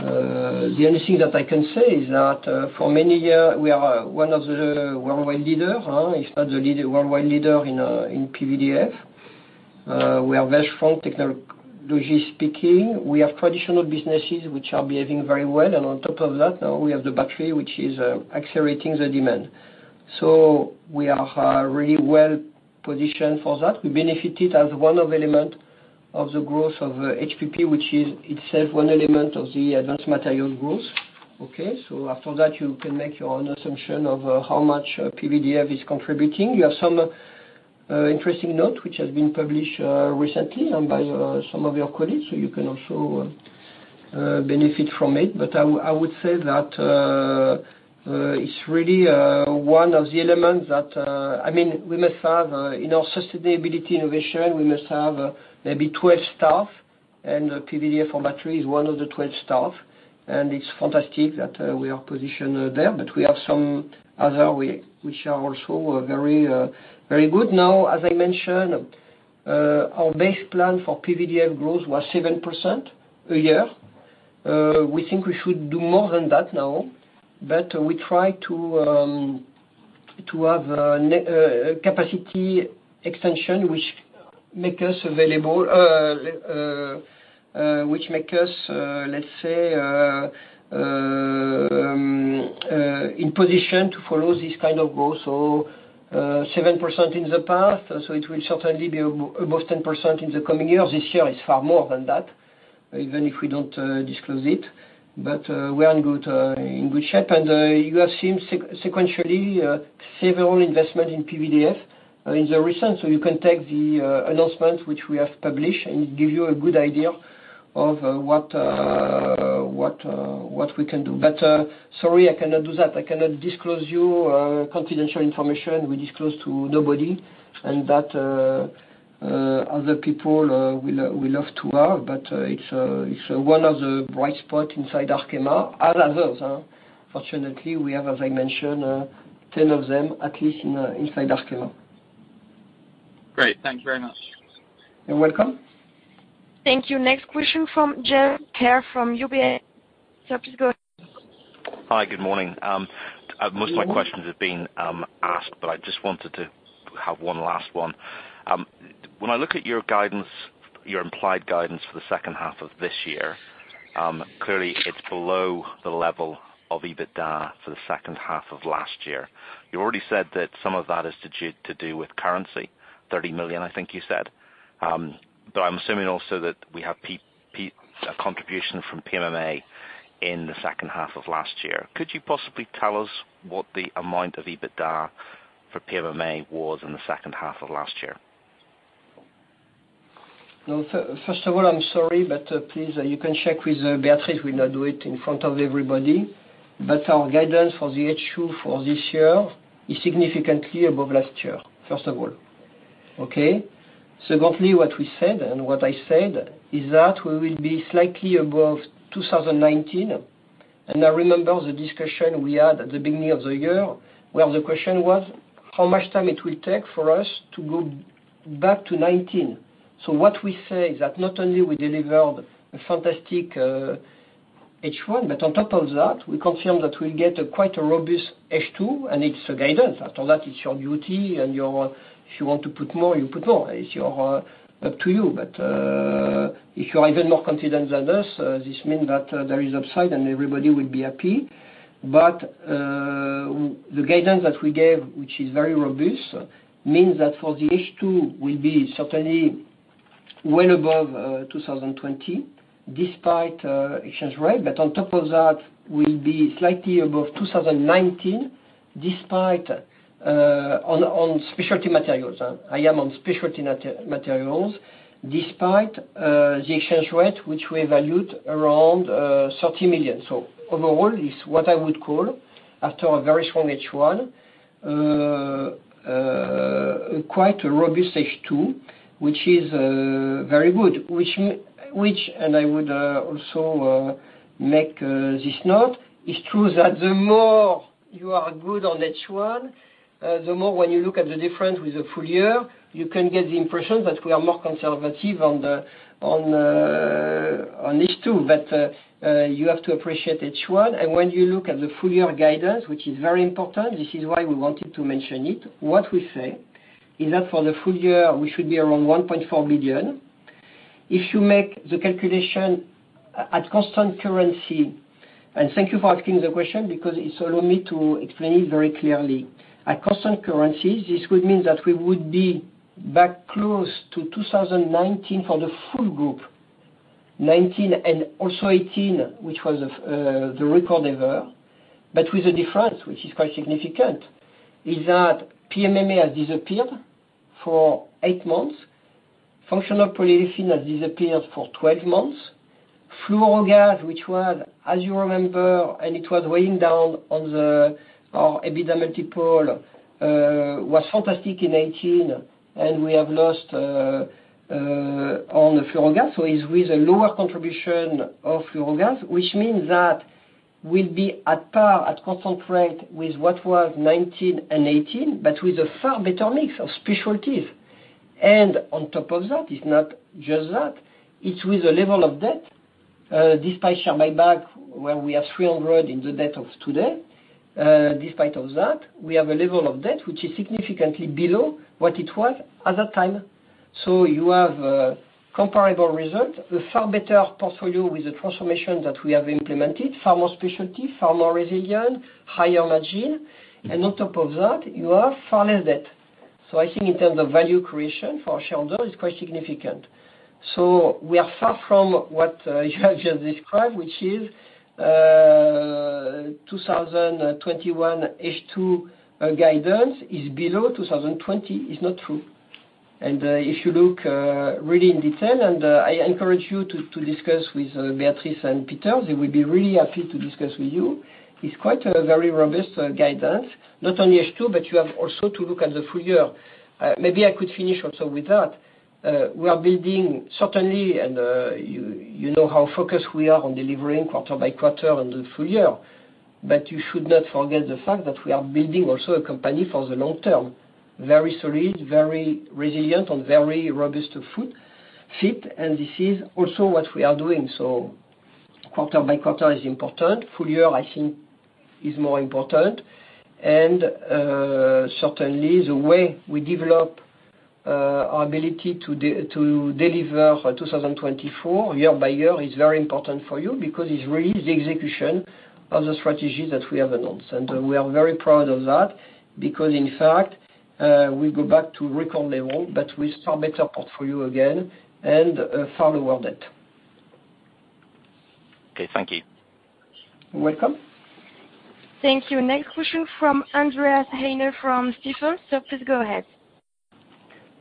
The only thing that I can say is that for many years, we are one of the worldwide leader, if not the worldwide leader in PVDF. We are very strong technology speaking. We have traditional businesses which are behaving very well, and on top of that now we have the battery which is accelerating the demand. We are really well-positioned for that. We benefited as one of element of the growth of HPP, which is itself one element of the Advanced Materials growth. Okay. After that, you can make your own assumption of how much PVDF is contributing. You have some interesting note which has been published recently by some of your colleagues. You can also benefit from it. I would say that it's really one of the elements. We must have in our sustainability innovation, we must have maybe 12 staff. PVDF for battery is one of the 12 staff. It's fantastic that we are positioned there. We have some other, which are also very good. Now, as I mentioned, our base plan for PVDF growth was 7% a year. We think we should do more than that now. We try to have a capacity extension which make us, let's say, in position to follow this kind of growth. 7% in the past. It will certainly be almost 10% in the coming years. This year is far more than that, even if we don't disclose it. We are in good shape. You have seen sequentially several investment in PVDF in the recent. You can take the announcement which we have published, and it give you a good idea of what we can do. Sorry, I cannot do that. I cannot disclose you confidential information. We disclose to nobody. That other people will love to have, but it's one of the bright spot inside Arkema. Others. Fortunately, we have, as I mentioned, 10 of them at least inside Arkema. Great. Thank you very much. You're welcome. Thank you. Next question from Geoff Haire from UBS. Sir, please go ahead. Hi. Good morning. Most of my questions have been asked. I just wanted to have one last one. When I look at your implied guidance for the second half of this year, clearly it's below the level of EBITDA for the second half of last year. You already said that some of that is to do with currency. 30 million, I think you said. I'm assuming also that we have contribution from PMMA in the second half of last year. Could you possibly tell us what the amount of EBITDA for PMMA was in the second half of last year? First of all, I'm sorry, please, you can check with Beatrice. We not do it in front of everybody. Our guidance for the H2 for this year is significantly above last year, first of all. Okay. Secondly, what we said and what I said is that we will be slightly above 2019. I remember the discussion we had at the beginning of the year, where the question was how much time it will take for us to go back to 2019. What we say is that not only we deliver the fantastic H1, but on top of that, we confirm that we'll get a quite a robust H2, and it's a guidance. After that, it's your duty and if you want to put more, you put more. It's up to you. If you're even more confident than us, this mean that there is upside and everybody will be happy. The guidance that we gave, which is very robust, means that for the H2, we'll be certainly well above 2020 despite exchange rate. On top of that, we'll be slightly above 2019 despite on Specialty Materials. I am on Specialty Materials. Despite the exchange rate, which we valued around 30 million. Overall, it's what I would call, after a very strong H1, quite a robust H2, which is very good. Which, and I would also make this note, it's true that the more you are good on H1, the more when you look at the difference with the full year, you can get the impression that we are more conservative on H2. You have to appreciate H1. When you look at the full-year guidance, which is very important, this is why we wanted to mention it, what we say is that for the full year, we should be around 1.4 billion. If you make the calculation at constant currency. Thank you for asking the question because it allow me to explain it very clearly. At constant currency, this would mean that we would be back close to 2019 for the full group. 2019 and also 2018, which was the record ever, but with a difference, which is quite significant, is that PMMA has disappeared for eight months. Functional Polyolefins has disappeared for 12 months. Fluorogases, which was, as you remember, and it was weighing down on our EBITDA multiple, was fantastic in 2018, and we have lost on the Fluorogases. It's with a lower contribution of Fluorogases, which means that we'll be at par, at constant rate with what was 2019 and 2018, but with a far better mix of Specialties. On top of that, it's not just that, it's with a level of debt. Despite share buyback, where we are 300 million in the debt of today, despite of that, we have a level of debt which is significantly below what it was at that time. You have a comparable result, a far better portfolio with the transformation that we have implemented, far more Specialty, far more resilient, higher margin. On top of that, you have far less debt. I think in terms of value creation for shareholders, it's quite significant. We are far from what you have just described, which is 2021 H2 guidance is below 2020. It's not true. If you look really in detail, I encourage you to discuss with Beatrice and Peter, they will be really happy to discuss with you. It's quite a very robust guidance, not only H2, but you have also to look at the full year. Maybe I could finish also with that. We are building certainly, and you know how focused we are on delivering quarter by quarter and the full year. You should not forget the fact that we are building also a company for the long term. Very solid, very resilient, on very robust feet, this is also what we are doing. Quarter by quarter is important. Full year, I think, is more important. Certainly, the way we develop our ability to deliver for 2024 year by year is very important for you because it's really the execution of the strategy that we have announced. We are very proud of that because in fact, we go back to record level, but with far better portfolio again and far lower debt. Okay. Thank you. You're welcome. Thank you. Next question from Andreas Heine from Stifel. Please go ahead.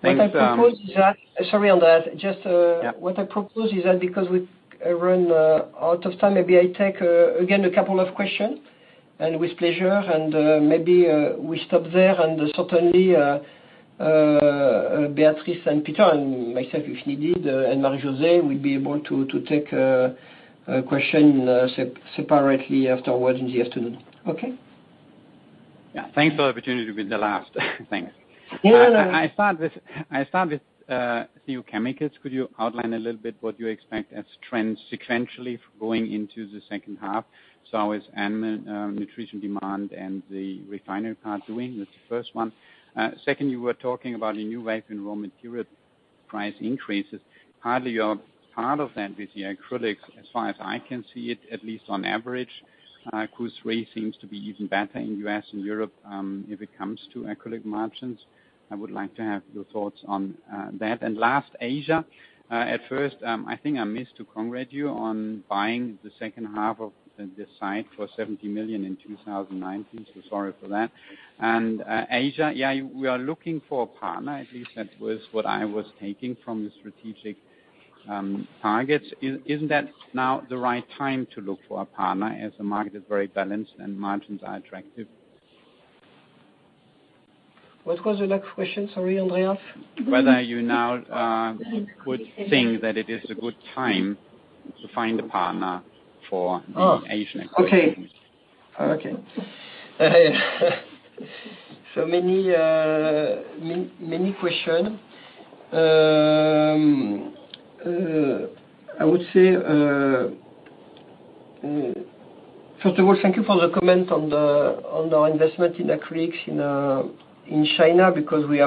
Thanks. Sorry, Andreas. Yeah. Just, what I propose is that because we've run out of time, maybe I take, again, a couple of questions, and with pleasure, and maybe we stop there. Certainly, Beatrice and Peter and myself, if needed, and Marie-José, we'll be able to take a question separately afterwards in the afternoon. Okay? Yeah. Thanks for the opportunity to be the last. Thanks. You're welcome. I start with few chemicals. Could you outline a little bit what you expect as trends sequentially going into the second half? As nutrition demand and the refinery part doing? That is the first one. Second, you were talking about a new wave in raw material price increases. Part of that with the acrylics, as far as I can see it, at least on average, Q3 seems to be even better in U.S. and Europe if it comes to acrylic margins. I would like to have your thoughts on that. Last, Asia. At first, I think I missed to congratulate you on buying the second half of the site for 70 million in 2019, so sorry for that. Asia, yeah, we are looking for a partner. At least that was what I was taking from the strategic targets. Isn't that now the right time to look for a partner as the market is very balanced and margins are attractive? What was the last question? Sorry, Andreas. Whether you now would think that it is a good time to find a partner for the Asian acquisitions. Okay. Many questions. I would say, first of all, thank you for the comment on our investment in acrylics in China, because we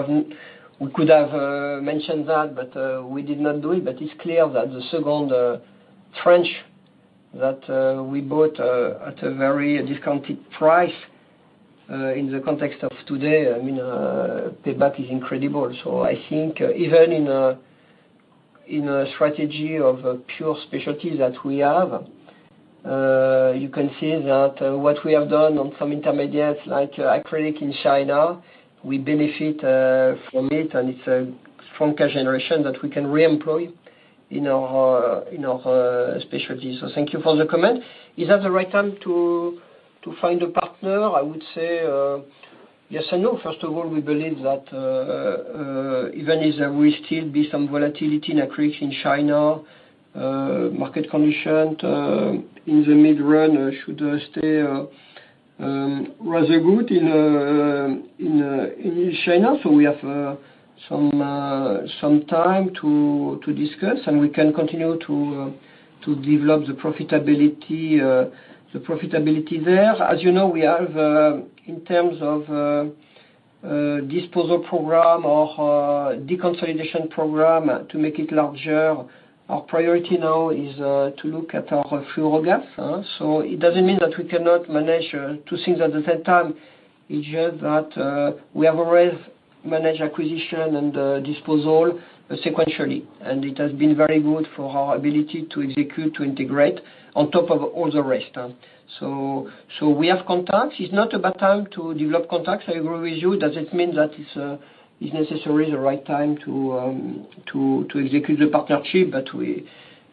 could have mentioned that, but we did not do it. It's clear that the second tranche that we bought at a very discounted price, in the context of today, payback is incredible. I think even in a strategy of pure Specialty that we have, you can see that what we have done on some Intermediates like acrylic in China, we benefit from it, and it's a strong cash generation that we can reemploy in our Specialty. Thank you for the comment. Is that the right time to find a partner? I would say yes and no. First of all, we believe that even if there will still be some volatility in acrylics in China, market condition in the mid-run should stay rather good in China. We have some time to discuss, and we can continue to develop the profitability there. As you know, we have, in terms of disposal program or deconsolidation program to make it larger, our priority now is to look at our fluor gas. It doesn't mean that we cannot manage two things at the same time is just that we have always managed acquisition and disposal sequentially, and it has been very good for our ability to execute, to integrate on top of all the rest. We have contacts. It's not a bad time to develop contacts. I agree with you. Does it mean that it's necessarily the right time to execute the partnership?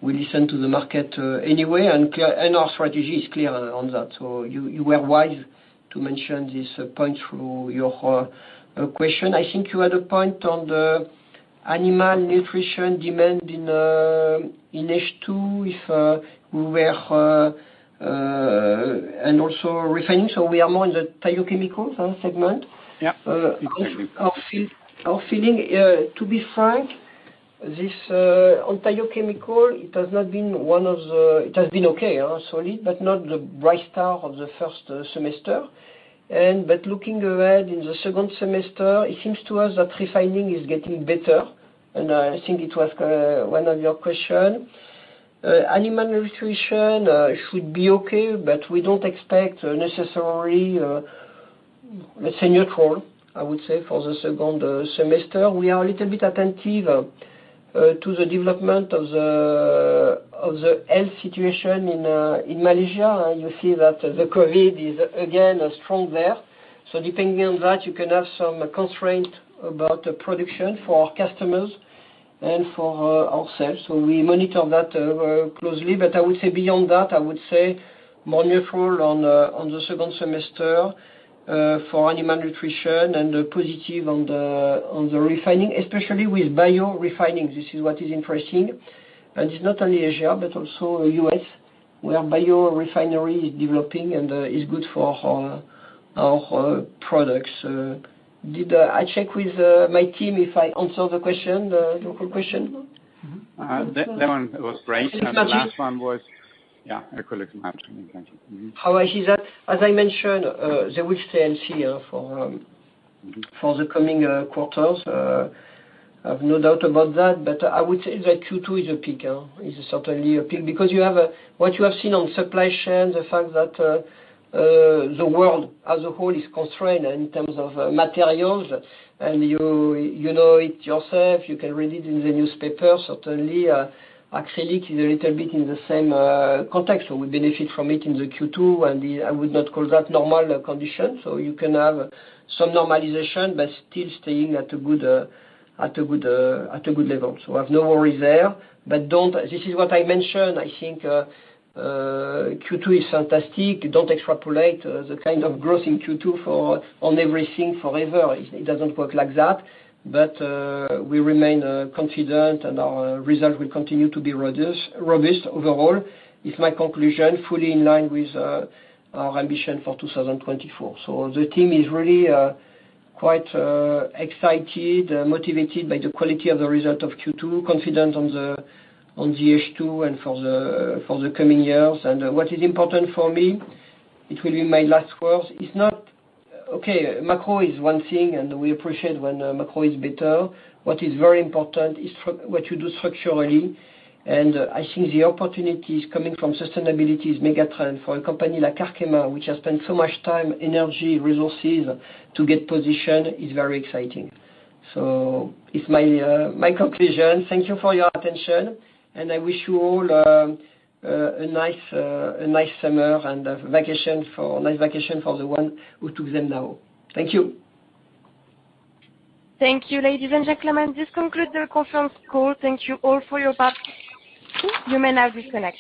We listen to the market anyway, and our strategy is clear on that. You were wise to mention this point through your question. I think you had a point on the animal nutrition demand in H2, and also refining. We are more in the Thiochemicals segment. Yeah. Our feeling, to be frank, on Thiochemicals, it has been okay, solid, but not the bright star of the first semester. Looking ahead in the second semester, it seems to us that refining is getting better, and I think it was one of your question. Animal nutrition should be okay, we don't expect necessary, let's say, neutral, I would say, for the second semester. We are a little bit attentive to the development of the health situation in Malaysia. You see that the COVID is again strong there. Depending on that, you can have some constraint about the production for our customers and for ourselves. We monitor that very closely. I would say beyond that, I would say more neutral on the second semester for animal nutrition and positive on the refining, especially with biorefining. This is what is interesting. It's not only Asia, but also U.S., where biorefinery is developing and is good for our products. Did I check with my team if I answer the question, the local question? That one was great. The last one was, yeah, acrylic matching. Thank you. How I see that, as I mentioned, there is tail here for the coming quarters. I have no doubt about that. I would say that Q2 is a peak. It's certainly a peak because what you have seen on supply chain, the fact that the world as a whole is constrained in terms of materials, and you know it yourself. You can read it in the newspaper, certainly. Acrylic is a little bit in the same context. We benefit from it in the Q2, and I would not call that normal condition. You can have some normalization, but still staying at a good level. I have no worry there, but this is what I mentioned, I think Q2 is fantastic. Don't extrapolate the kind of growth in Q2 on everything forever. It doesn't work like that. We remain confident, and our results will continue to be robust overall. It's my conclusion, fully in line with our ambition for 2024. The team is really quite excited, motivated by the quality of the result of Q2, confident on the H2 and for the coming years. What is important for me, it will be my last words, macro is one thing, and we appreciate when macro is better. What is very important is what you do structurally, and I think the opportunities coming from sustainability is mega trend for a company like Arkema, which has spent so much time, energy, resources to get positioned, is very exciting. It's my conclusion. Thank you for your attention, and I wish you all a nice summer and nice vacation for the one who took them now. Thank you. Thank you, ladies and gentlemen. This concludes the conference call. Thank you all for your part. You may now disconnect.